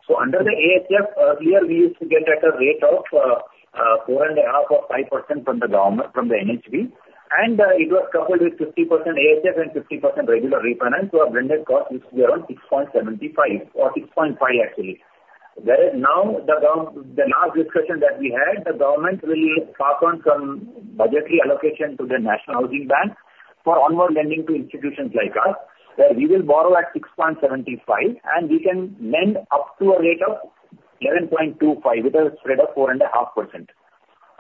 So under the AHF, earlier, we used to get at a rate of 4.5% or 5% from the government, from the NHB. And it was coupled with 50% AHF and 50% regular refinance, so our blended cost used to be around 6.75 or 6.5, actually. Whereas now, the last discussion that we had, the government will carve out some budgetary allocation to the National Housing Bank for onward lending to institutions like us, where we will borrow at 6.75, and we can lend up to a rate of 11.25 with a spread of 4.5%.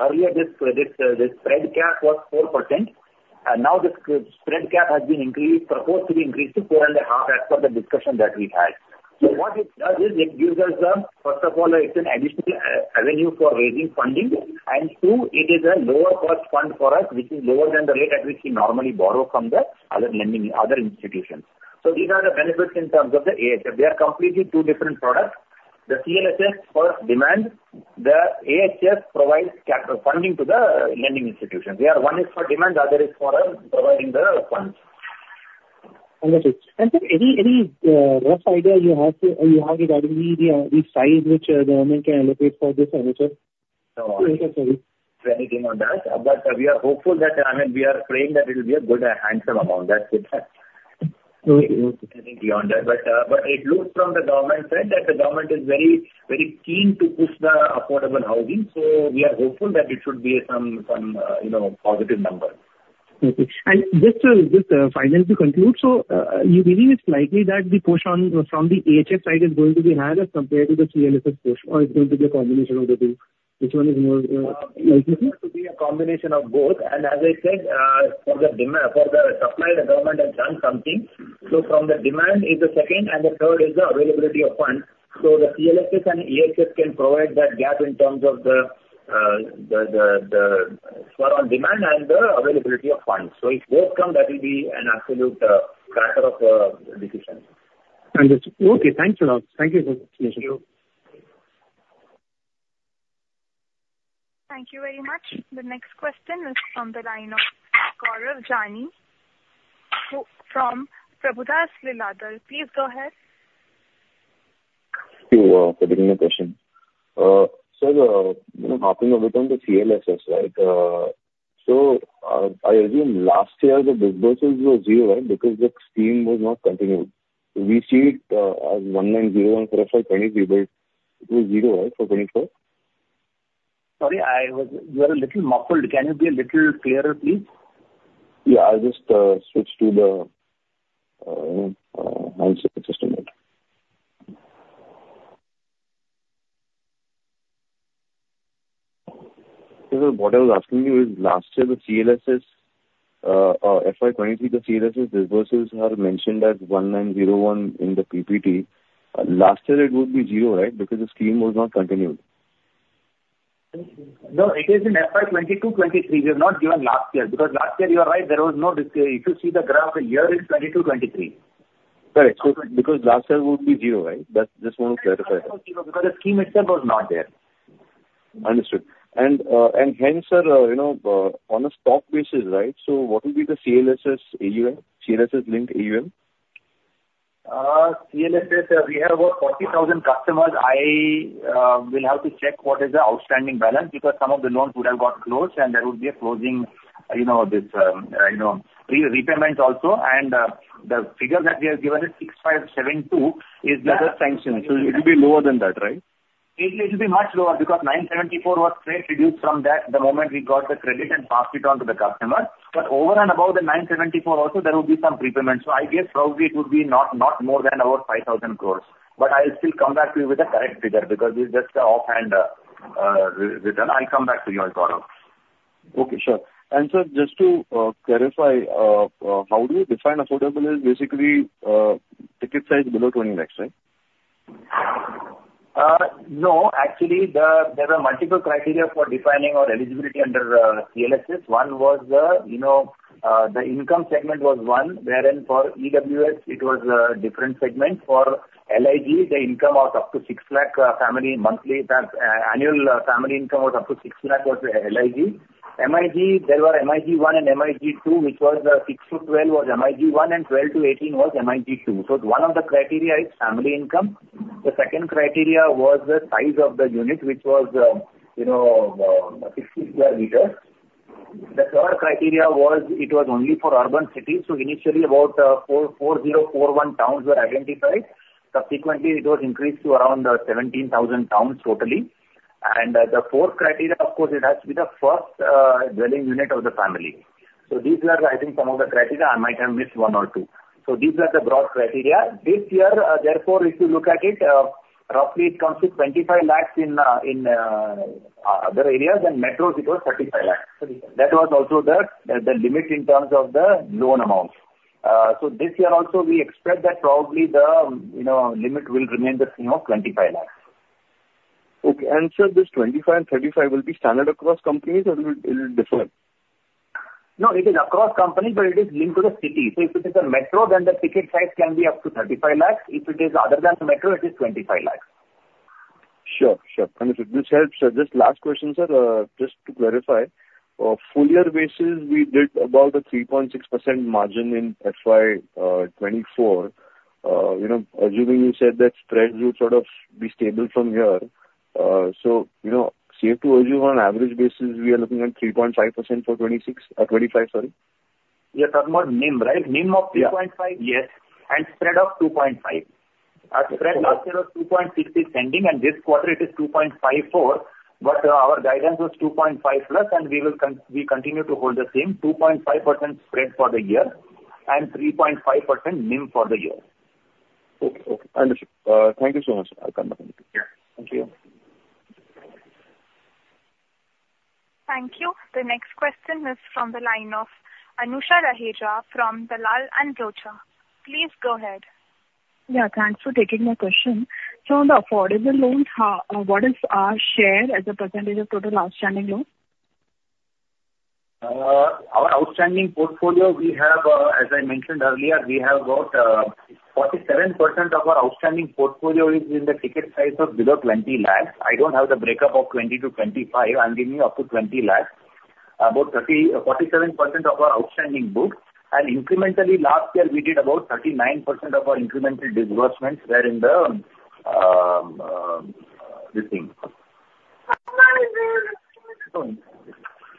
Earlier, the spread cap was 4%, and now the spread cap has been increased, proposed to be increased to 4.5 as per the discussion that we had. So what it does is it gives us, first of all, it's an additional avenue for raising funding, and two, it is a lower-cost fund for us, which is lower than the rate at which we normally borrow from the other institutions. So these are the benefits in terms of the AHF. They are completely two different products. The CLSS for demand, the AHF provides funding to the lending institutions, where one is for demand, the other is for providing the funds. Understood. Sir, any rough idea you have regarding the size which the government can allocate for this? No, no. Okay. Sorry. Anything on that. But we are hopeful that, I mean, we are praying that it will be a good handsome amount. That's it. Okay. Okay. Anything beyond that. But it looks from the government side that the government is very keen to push the affordable housing. So we are hopeful that it should be some positive number. Okay. And just to finally conclude, so you believe it's likely that the push from the AHF side is going to be higher as compared to the CLSS push, or it's going to be a combination of the two? Which one is more likely? It's going to be a combination of both. And as I said, for the supply, the government has done something. So from the demand is the second, and the third is the availability of funds. So the CLSS and AHF can provide that gap in terms of the spur on demand and the availability of funds. So if both come, that will be an absolute factor of decision. Understood. Okay. Thanks a lot. Thank you for the explanation. Thank you. Thank you very much. The next question is from the line of Gaurav Jani. From Prabhudas Lilladher. Please go ahead. Thank you for taking the question. Sir, talking a bit on the CLSS, right? So I assume last year, the businesses were zero, right, because the scheme was not continued. We see it as 19,014,520, but it was zero, right, for 2024? Sorry, you are a little muffled. Can you be a little clearer, please? Yeah. I just switched to the handset system. So what I was asking you is, last year, the CLSS FY23, the CLSS businesses are mentioned as 1,901 in the PPT. Last year, it would be zero, right, because the scheme was not continued? No, it is in FY22-23. We have not given last year because last year, you are right, there was no. If you see the graph, the year is 22-23. Correct. Because last year would be zero, right? Just want to clarify that. Because the scheme itself was not there. Understood. Hence, sir, on a stock basis, right, so what would be the CLSS linked AUM? CLSS, we have about 40,000 customers. I will have to check what is the outstanding balance because some of the loans would have got closed, and there would be a closing this repayments also. The figure that we have given is 6,572. That's a sanction. So it will be lower than that, right? It will be much lower because 974 crore was reduced from that, the moment we got the credit and passed it on to the customer. But over and above the 974 crore also, there would be some prepayments. So I guess probably it would be not more than about 5,000 crore. But I'll still come back to you with the correct figure because it's just an offhand return. I'll come back to you on Apurav. Okay. Sure. Sir, just to clarify, how do you define affordable? It's basically ticket size below 20 lakhs, right? No. Actually, there were multiple criteria for defining our eligibility under CLSS. One was the income segment was one, wherein for EWS, it was a different segment. For LIG, the income was up to 6 lakh family monthly. Annual family income was up to 6 lakh was LIG. MIG, there were MIG 1 and MIG 2, which was 6-12 lakh was MIG 1, and 12-18 lakh was MIG 2. So one of the criteria is family income. The second criteria was the size of the unit, which was 60 square meters. The third criteria was it was only for urban cities. So initially, about 4,041 towns were identified. Subsequently, it was increased to around 17,000 towns totally. And the fourth criteria, of course, it has to be the first dwelling unit of the family. So these are, I think, some of the criteria. I might have missed one or two. So these are the broad criteria. This year, therefore, if you look at it, roughly it comes to 25 lakhs in other areas, and metros, it was 35 lakhs. That was also the limit in terms of the loan amounts. So this year also, we expect that probably the limit will remain the same of 25 lakhs. Okay. Sir, this 25 and 35 will be standard across companies, or will it differ? No, it is across companies, but it is linked to the city. So if it is a metro, then the ticket size can be up to 35 lakhs. If it is other than the metro, it is 25 lakhs. Sure. Sure. Understood. This helps, sir. Just last question, sir, just to clarify. Full year basis, we did about a 3.6% margin in FY2024. Assuming you said that spreads would sort of be stable from here. So safe to assume on average basis, we are looking at 3.5% for 2026 or 2025, sorry? Yes, that was NIM, right? NIM of 3.5? Yes. Spread of 2.5. Our spread last year was 2.60%, and this quarter it is 2.54. But our guidance was 2.5+, and we continue to hold the same 2.5% spread for the year and 3.5% NIM for the year. Okay. Okay. Understood. Thank you so much, sir. I'll cut off. Yeah. Thank you. Thank you. The next question is from the line of Anusha Raheja from Dalal & Broacha. Please go ahead. Yeah. Thanks for taking my question. So on the affordable loans, what is our share as a percentage of total outstanding loan? Our outstanding portfolio, we have, as I mentioned earlier, we have about 47% of our outstanding portfolio is in the ticket size of below 20 lakh. I don't have the breakup of 20 lakh to 25 lakh. I'm giving you up to 20 lakh, about 47% of our outstanding books. And incrementally, last year, we did about 39% of our incremental disbursements, wherein the this thing.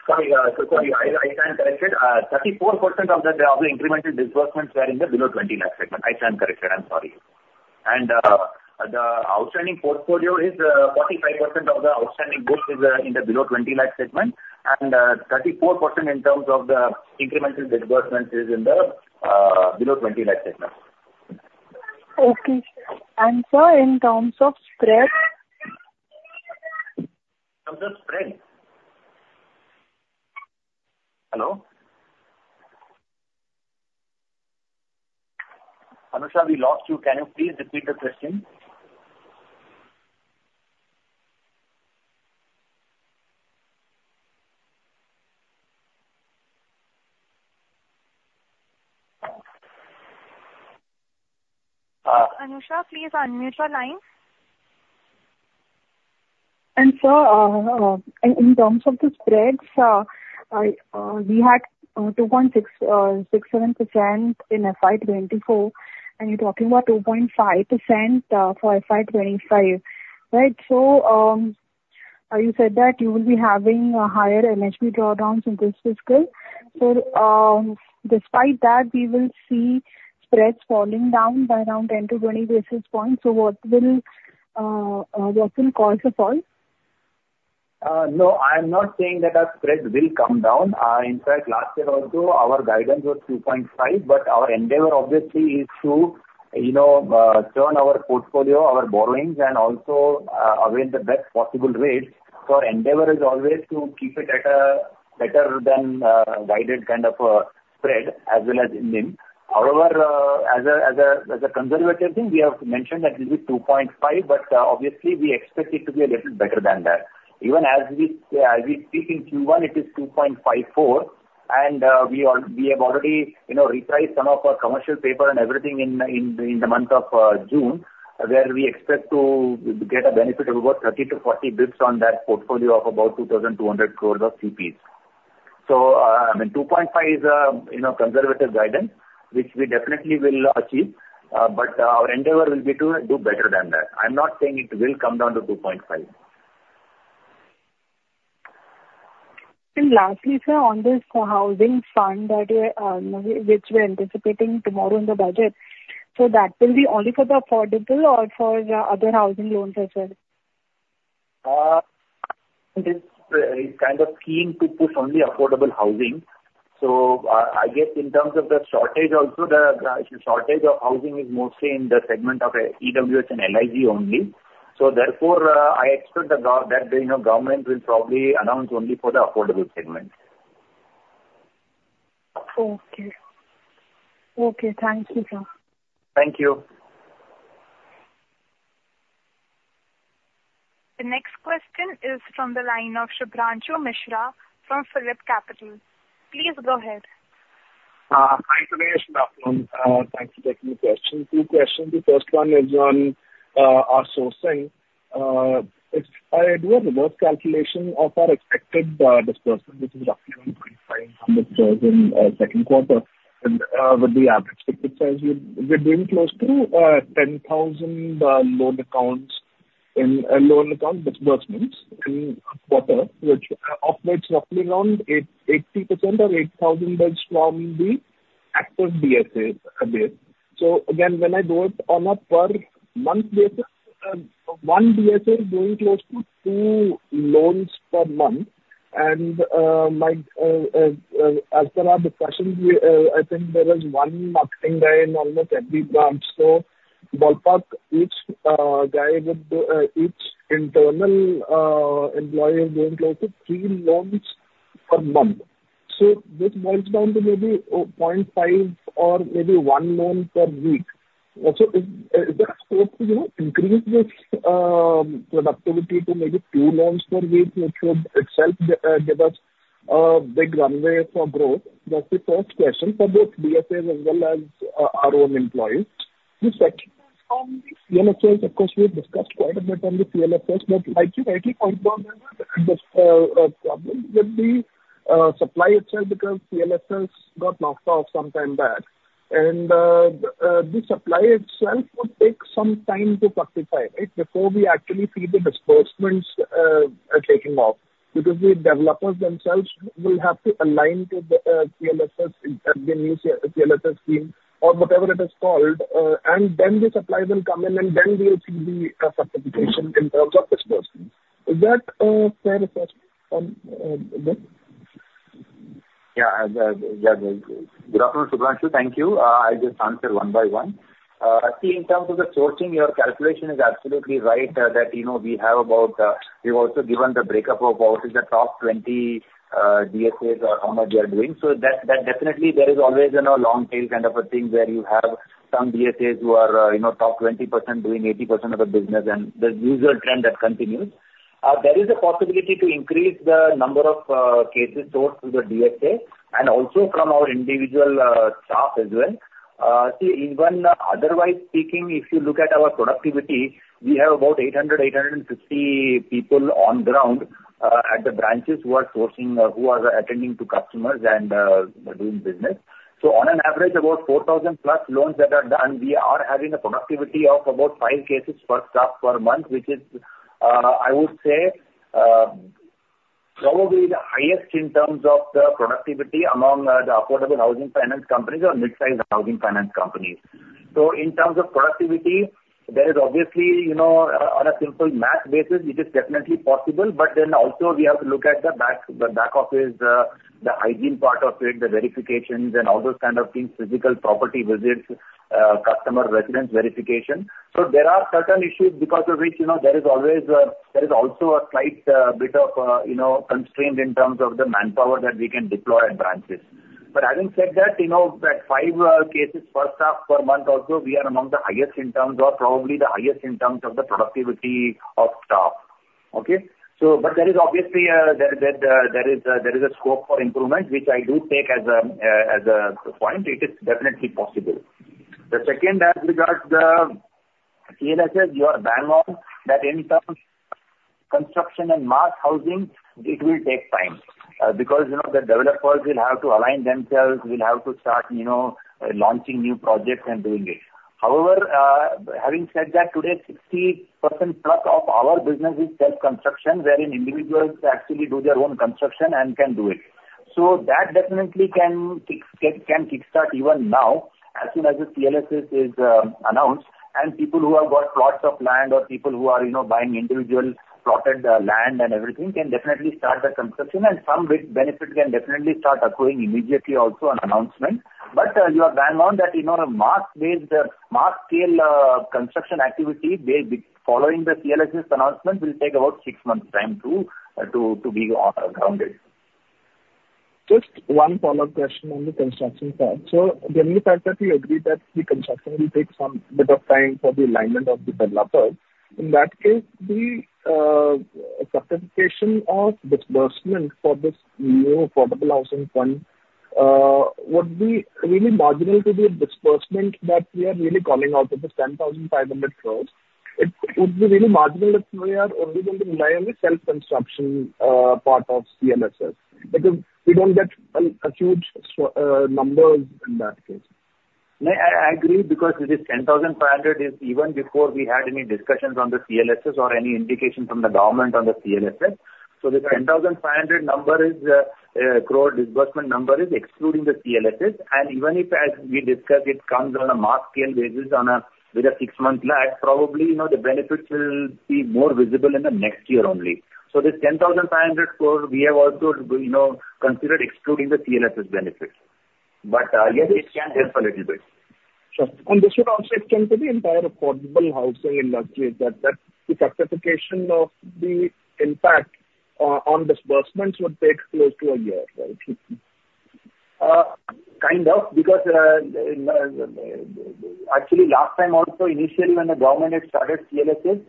Sorry, I can't correct it. 34% of the incremental disbursements were in the below 20 lakh segment. I can't correct it. I'm sorry. And the outstanding portfolio is 45% of the outstanding book is in the below 20 lakh segment, and 34% in terms of the incremental disbursements is in the below 20 lakh segment. Okay. And sir, in terms of spread? In terms of spread? Hello? Anusha, we lost you. Can you please repeat the question? Anusha, please unmute your line. Sir, in terms of the spreads, we had 2.67% in FY2024, and you're talking about 2.5% for FY2025, right? So you said that you will be having higher NHB drawdowns in this fiscal. So despite that, we will see spreads falling down by around 10-20 basis points. So what will cause the fall? No, I'm not saying that our spreads will come down. In fact, last year also, our guidance was 2.5, but our endeavor obviously is to turn our portfolio, our borrowings, and also avail the best possible rates. So our endeavor is always to keep it at a better than guided kind of spread as well as NIM. However, as a conservative thing, we have mentioned that it will be 2.5, but obviously, we expect it to be a little better than that. Even as we speak in Q1, it is 2.54, and we have already repriced some of our commercial paper and everything in the month of June, where we expect to get a benefit of about 30-40 bps on that portfolio of about 2,200 crore of CPs. I mean, 2.5 is a conservative guidance, which we definitely will achieve, but our endeavor will be to do better than that. I'm not saying it will come down to 2.5. Lastly, sir, on this housing fund which we are anticipating tomorrow in the budget, so that will be only for the affordable or for other housing loans as well? It's kind of keen to push only affordable housing. So I guess in terms of the shortage also, the shortage of housing is mostly in the segment of EWS and LIG only. So therefore, I expect that the government will probably announce only for the affordable segment. Okay. Okay. Thank you, sir. Thank you. The next question is from the line of Subranshu Mishra from PhillipCapital. Please go ahead. Hi Suresh. Thanks for taking the question. Two questions. The first one is on our sourcing. If I do a reverse calculation of our expected disbursement, which is roughly around 2,500 crores in second quarter, with the average ticket size, we're doing close to 10,000 loan accounts in loan account disbursements in quarter, which operates roughly around 80% or 8,000 bps from the active DSAs a bit. So again, when I do it on a per month basis, one DSA is doing close to two loans per month. And as per our discussion, I think there is one marketing guy in almost every branch. So ballpark, each guy with each internal employee is doing close to three loans per month. So this boils down to maybe 0.5 or maybe one loan per week. So is there a scope to increase this productivity to maybe 2 loans per week, which would itself give us a big runway for growth? That's the first question for both DSAs as well as our own employees. The second, CLSS, of course, we have discussed quite a bit on the CLSS, but like you rightly point out, there was a problem with the supply itself because CLSS got knocked off some time back. And the supply itself would take some time to fructify, right, before we actually see the disbursements taking off because the developers themselves will have to align to the CLSS, the new CLSS scheme or whatever it is called. And then the supply will come in, and then we'll see the fructification in terms of disbursements. Is that fair assessment? Yeah. Yeah. Good afternoon, Subranshu. Thank you. I'll just answer one by one. See, in terms of the sourcing, your calculation is absolutely right that we have about, we've also given the breakup of what is the top 20 DSAs or how much they are doing. So that definitely, there is always a long tail kind of a thing where you have some DSAs who are top 20% doing 80% of the business, and the usual trend that continues. There is a possibility to increase the number of cases sourced through the DSA and also from our individual staff as well. See, even otherwise speaking, if you look at our productivity, we have about 800-850 people on ground at the branches who are sourcing, who are attending to customers and doing business. So on an average, about 4,000+ loans that are done, we are having a productivity of about 5 cases per staff per month, which is, I would say, probably the highest in terms of the productivity among the affordable housing finance companies or mid-sized housing finance companies. So in terms of productivity, there is obviously, on a simple math basis, it is definitely possible. But then also, we have to look at the back office, the hygiene part of it, the verifications, and all those kind of things, physical property visits, customer residence verification. So there are certain issues because of which there is always a slight bit of constraint in terms of the manpower that we can deploy at branches. But having said that, at 5 cases per staff per month also, we are among the highest in terms or probably the highest in terms of the productivity of staff. Okay? But there is obviously a scope for improvement, which I do take as a point. It is definitely possible. The second, as regards the CLSS, you are bang on that in terms of construction and mass housing, it will take time because the developers will have to align themselves, will have to start launching new projects and doing it. However, having said that, today, 60%+ of our business is self-construction, wherein individuals actually do their own construction and can do it. So that definitely can kickstart even now, as soon as the CLSS is announced, and people who have got plots of land or people who are buying individual plotted land and everything can definitely start the construction. And some benefits can definitely start occurring immediately also on announcement. But you are bang on that mass scale construction activity following the CLSS announcement will take about six months' time to be grounded. Just one follow-up question on the construction side. So the fact that we agreed that the construction will take some bit of time for the alignment of the developers, in that case, the fructification of disbursement for this new affordable housing fund would be really marginal to the disbursement that we are really calling out of the 10,500 crore. It would be really marginal if we are only going to rely on the self-construction part of CLSS because we don't get a huge numbers in that case. I agree because this 10,500 crore is even before we had any discussions on the CLSS or any indication from the government on the CLSS. The 10,500 crore disbursement number is excluding the CLSS. Even if, as we discussed, it comes on a mass scale basis with a six-month lag, probably the benefits will be more visible in the next year only. This 10,500 crore, we have also considered excluding the CLSS benefits. Yes, it can help a little bit. Sure. And this would also extend to the entire affordable housing industry that the fructification of the impact on disbursements would take close to a year, right? Kind of, because actually, last time also, initially when the government had started CLSS,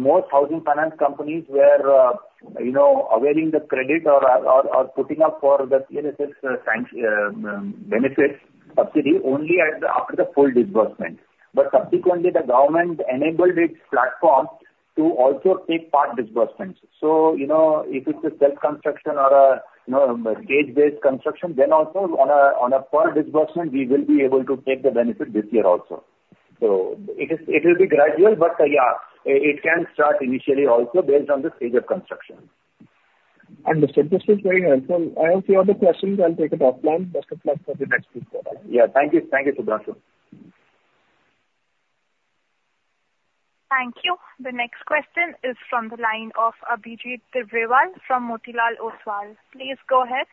most housing finance companies were availing the credit or putting up for the CLSS benefits subsidy only after the full disbursement. But subsequently, the government enabled its platform to also take part disbursements. So if it's a self-construction or a stage-based construction, then also on a per disbursement, we will be able to take the benefit this year also. So it will be gradual, but yeah, it can start initially also based on the stage of construction. Understood. This is very helpful. I have a few other questions. I'll take it offline. Best of luck for the next week. Yeah. Thank you. Thank you, Subranshu. Thank you. The next question is from the line of Abhijit Tibrewal from Motilal Oswal. Please go ahead.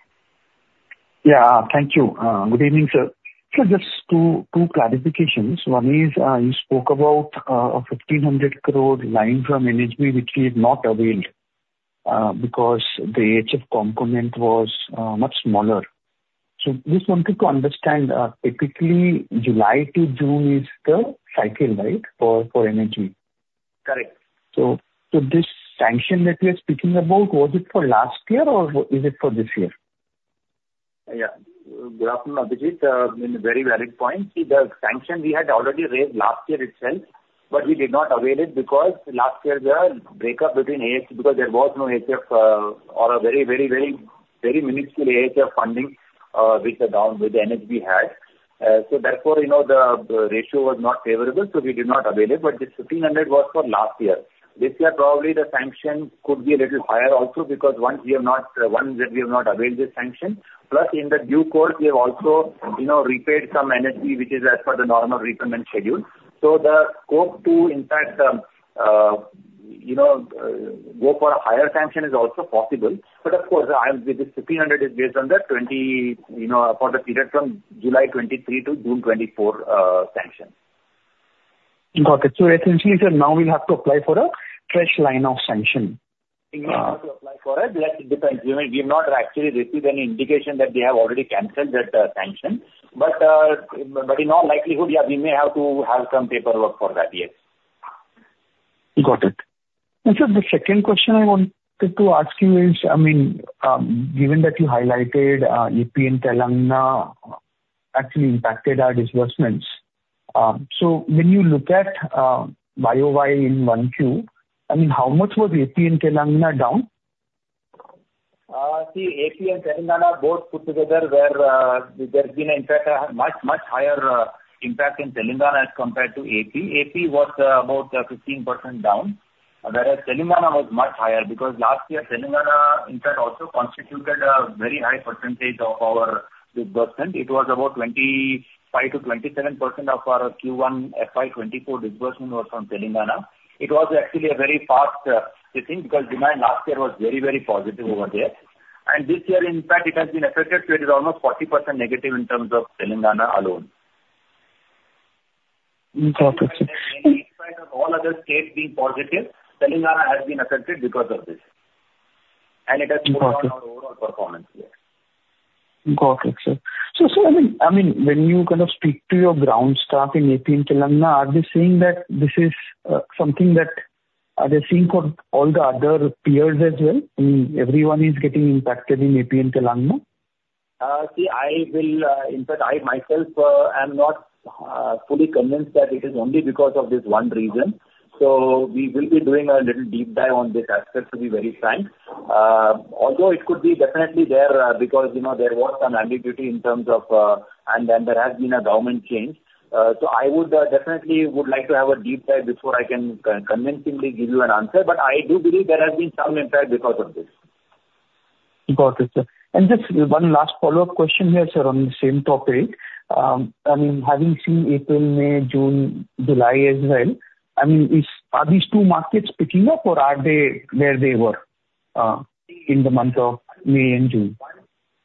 Yeah. Thank you. Good evening, sir. So just two clarifications. One is you spoke about a 1,500 crore line from NHB, which we have not availed because the HF component was much smaller. So just wanted to understand, typically, July to June is the cycle, right, for NHB? Correct. This sanction that we are speaking about, was it for last year or is it for this year? Yeah. Good afternoon, Abhijit. Very valid point. See, the sanction we had already raised last year itself, but we did not avail it because last year there was a breakup between AHF because there was no AHF or a very, very, very minuscule AHF funding which the NHB had. So therefore, the ratio was not favorable, so we did not avail it. But this 1,500 was for last year. This year, probably the sanction could be a little higher also because once that we have not availed this sanction. Plus, in the due course, we have also repaid some NHB, which is as per the normal repayment schedule. So the scope to, in fact, go for a higher sanction is also possible. But of course, this 1,500 is based on the 20 for the period from July 2023 to June 2024 sanction. Got it. Essentially, sir, now we'll have to apply for a fresh line of sanction. We may have to apply for it. That depends. We have not actually received any indication that they have already canceled that sanction. But in all likelihood, yeah, we may have to have some paperwork for that, yes. Got it. And sir, the second question I wanted to ask you is, I mean, given that you highlighted AP and Telangana actually impacted our disbursements, so when you look at FY21 Q1, I mean, how much was AP and Telangana down? See, AP and Telangana both put together where there's been a much higher impact in Telangana as compared to AP. AP was about 15% down, whereas Telangana was much higher because last year, Telangana in fact also constituted a very high percentage of our disbursement. It was about 25%-27% of our Q1 FY24 disbursement was from Telangana. It was actually a very fast thing because demand last year was very, very positive over there. And this year, in fact, it has been affected to almost 40% negative in terms of Telangana alone. Got it, sir. In spite of all other states being positive, Telangana has been affected because of this. It has put down our overall performance here. Got it, sir. So, I mean, when you kind of speak to your ground staff in AP and Telangana, are they saying that this is something that are they saying for all the other peers as well? I mean, everyone is getting impacted in AP and Telangana? See, I will, in fact, I myself am not fully convinced that it is only because of this one reason. So we will be doing a little deep dive on this aspect, to be very frank. Although it could be definitely there because there was some ambiguity in terms of and there has been a government change. So I would definitely like to have a deep dive before I can convincingly give you an answer. But I do believe there has been some impact because of this. Got it, sir. Just one last follow-up question here, sir, on the same topic. I mean, having seen April, May, June, July as well, I mean, are these two markets picking up or are they where they were in the month of May and June?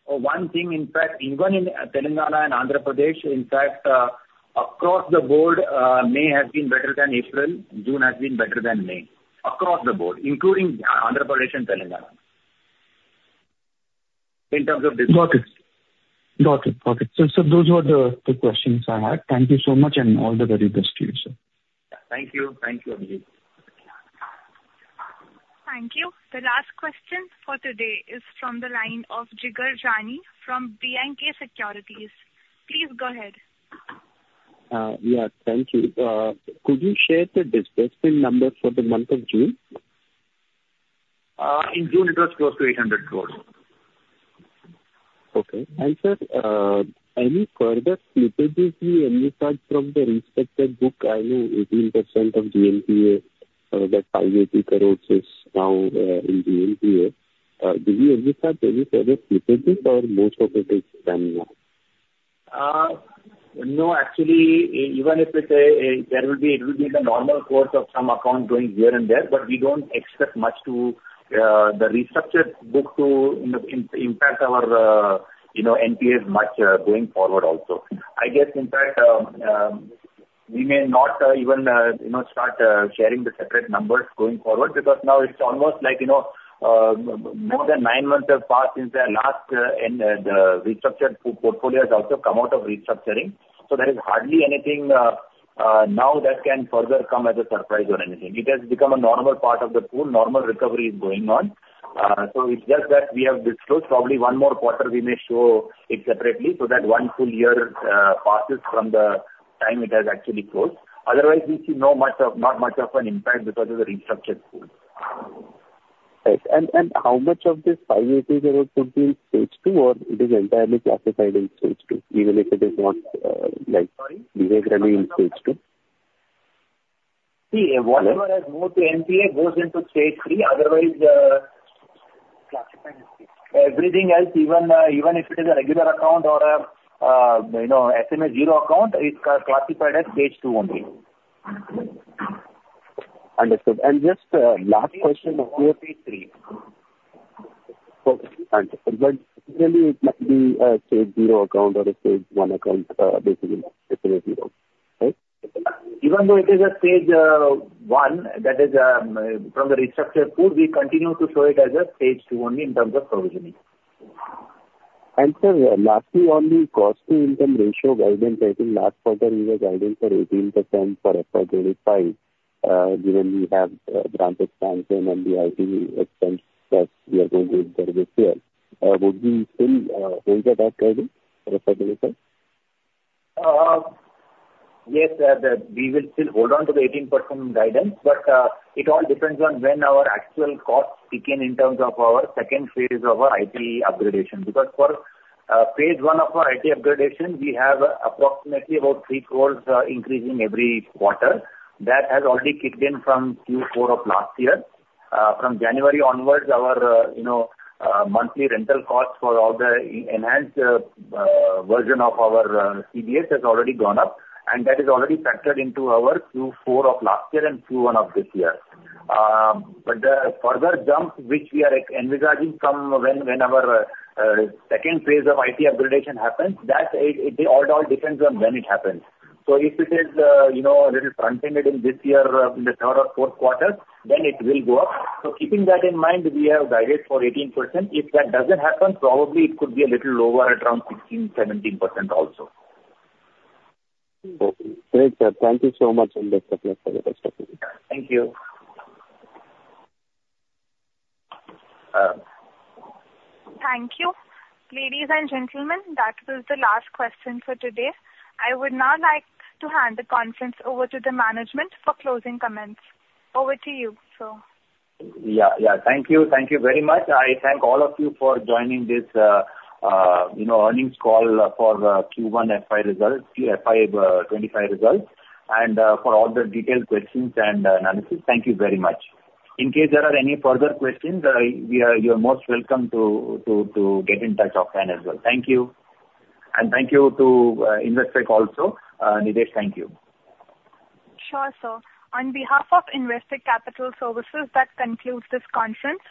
One thing, in fact, even in Telangana and Andhra Pradesh, in fact, across the board, May has been better than April. June has been better than May. Across the board, including Andhra Pradesh and Telangana in terms of disbursement. Got it. Got it. Got it. So those were the questions I had. Thank you so much and all the very best to you, sir. Thank you. Thank you, Abhijit. Thank you. The last question for today is from the line of Jigar Jani from B&K Securities. Please go ahead. Yeah. Thank you. Could you share the disbursement number for the month of June? In June, it was close to 800 crore. Okay. Sir, any further slippages we have aside from the respective book? I know 18% of GNPA, that INR 580 crore is now in GNPA. Do we have any further slippages or most of it is done now? No, actually, even if there will be it will be the normal course of some account going here and there, but we don't expect much to the restructured book to impact our NPAs much going forward also. I guess, in fact, we may not even start sharing the separate numbers going forward because now it's almost like more than nine months have passed since the last restructured portfolio has also come out of restructuring. So there is hardly anything now that can further come as a surprise or anything. It has become a normal part of the pool. Normal recovery is going on. So it's just that we have disclosed probably one more quarter, we may show it separately so that one full year passes from the time it has actually closed. Otherwise, we see not much of an impact because of the restructured pool. Right. And how much of this 580 crore would be in stage two or it is entirely classified in stage two, even if it is not directly in stage two? See, whatever has moved to NPA goes into stage three. Otherwise, everything else, even if it is a regular account or an SMA-0 account, it's classified as stage two only. Understood. And just last question of you. Stage three. Okay. But really, it must be a stage zero account or a stage one account, basically, if it is zero, right? Even though it is a stage one, that is from the restructured pool, we continue to show it as a stage two only in terms of provisioning. And sir, lastly, on the cost-to-income ratio guidance, I think last quarter we were guided for 18% for FY25, given we have granted sanction and the IT expense that we are going to incur this year. Would we still hold that guidance for FY25? Yes, we will still hold on to the 18% guidance, but it all depends on when our actual costs begin in terms of our second phase of our IT upgradation. Because for phase one of our IT upgradation, we have approximately about 3 crore increasing every quarter. That has already kicked in from Q4 of last year. From January onwards, our monthly rental cost for all the enhanced version of our CBS has already gone up, and that has already factored into our Q4 of last year and Q1 of this year. But the further jump, which we are envisaging from when our second phase of IT upgradation happens, that all depends on when it happens. So if it is a little front-ended in this year, in the third or fourth quarter, then it will go up. So keeping that in mind, we have guided for 18%. If that doesn't happen, probably it could be a little lower, around 16%-17% also. Okay. Great, sir. Thank you so much on the support for the discussion. Thank you. Thank you. Ladies and gentlemen, that was the last question for today. I would now like to hand the conference over to the management for closing comments. Over to you, sir. Yeah. Yeah. Thank you. Thank you very much. I thank all of you for joining this earnings call for Q1 FY25 results, and for all the detailed questions and analysis. Thank you very much. In case there are any further questions, you are most welcome to get in touch offline as well. Thank you. And thank you to Investec also. Nilesh, thank you. Sure, sir. On behalf of Investec Capital Services, that concludes this conference.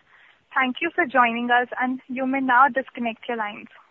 Thank you for joining us, and you may now disconnect your lines.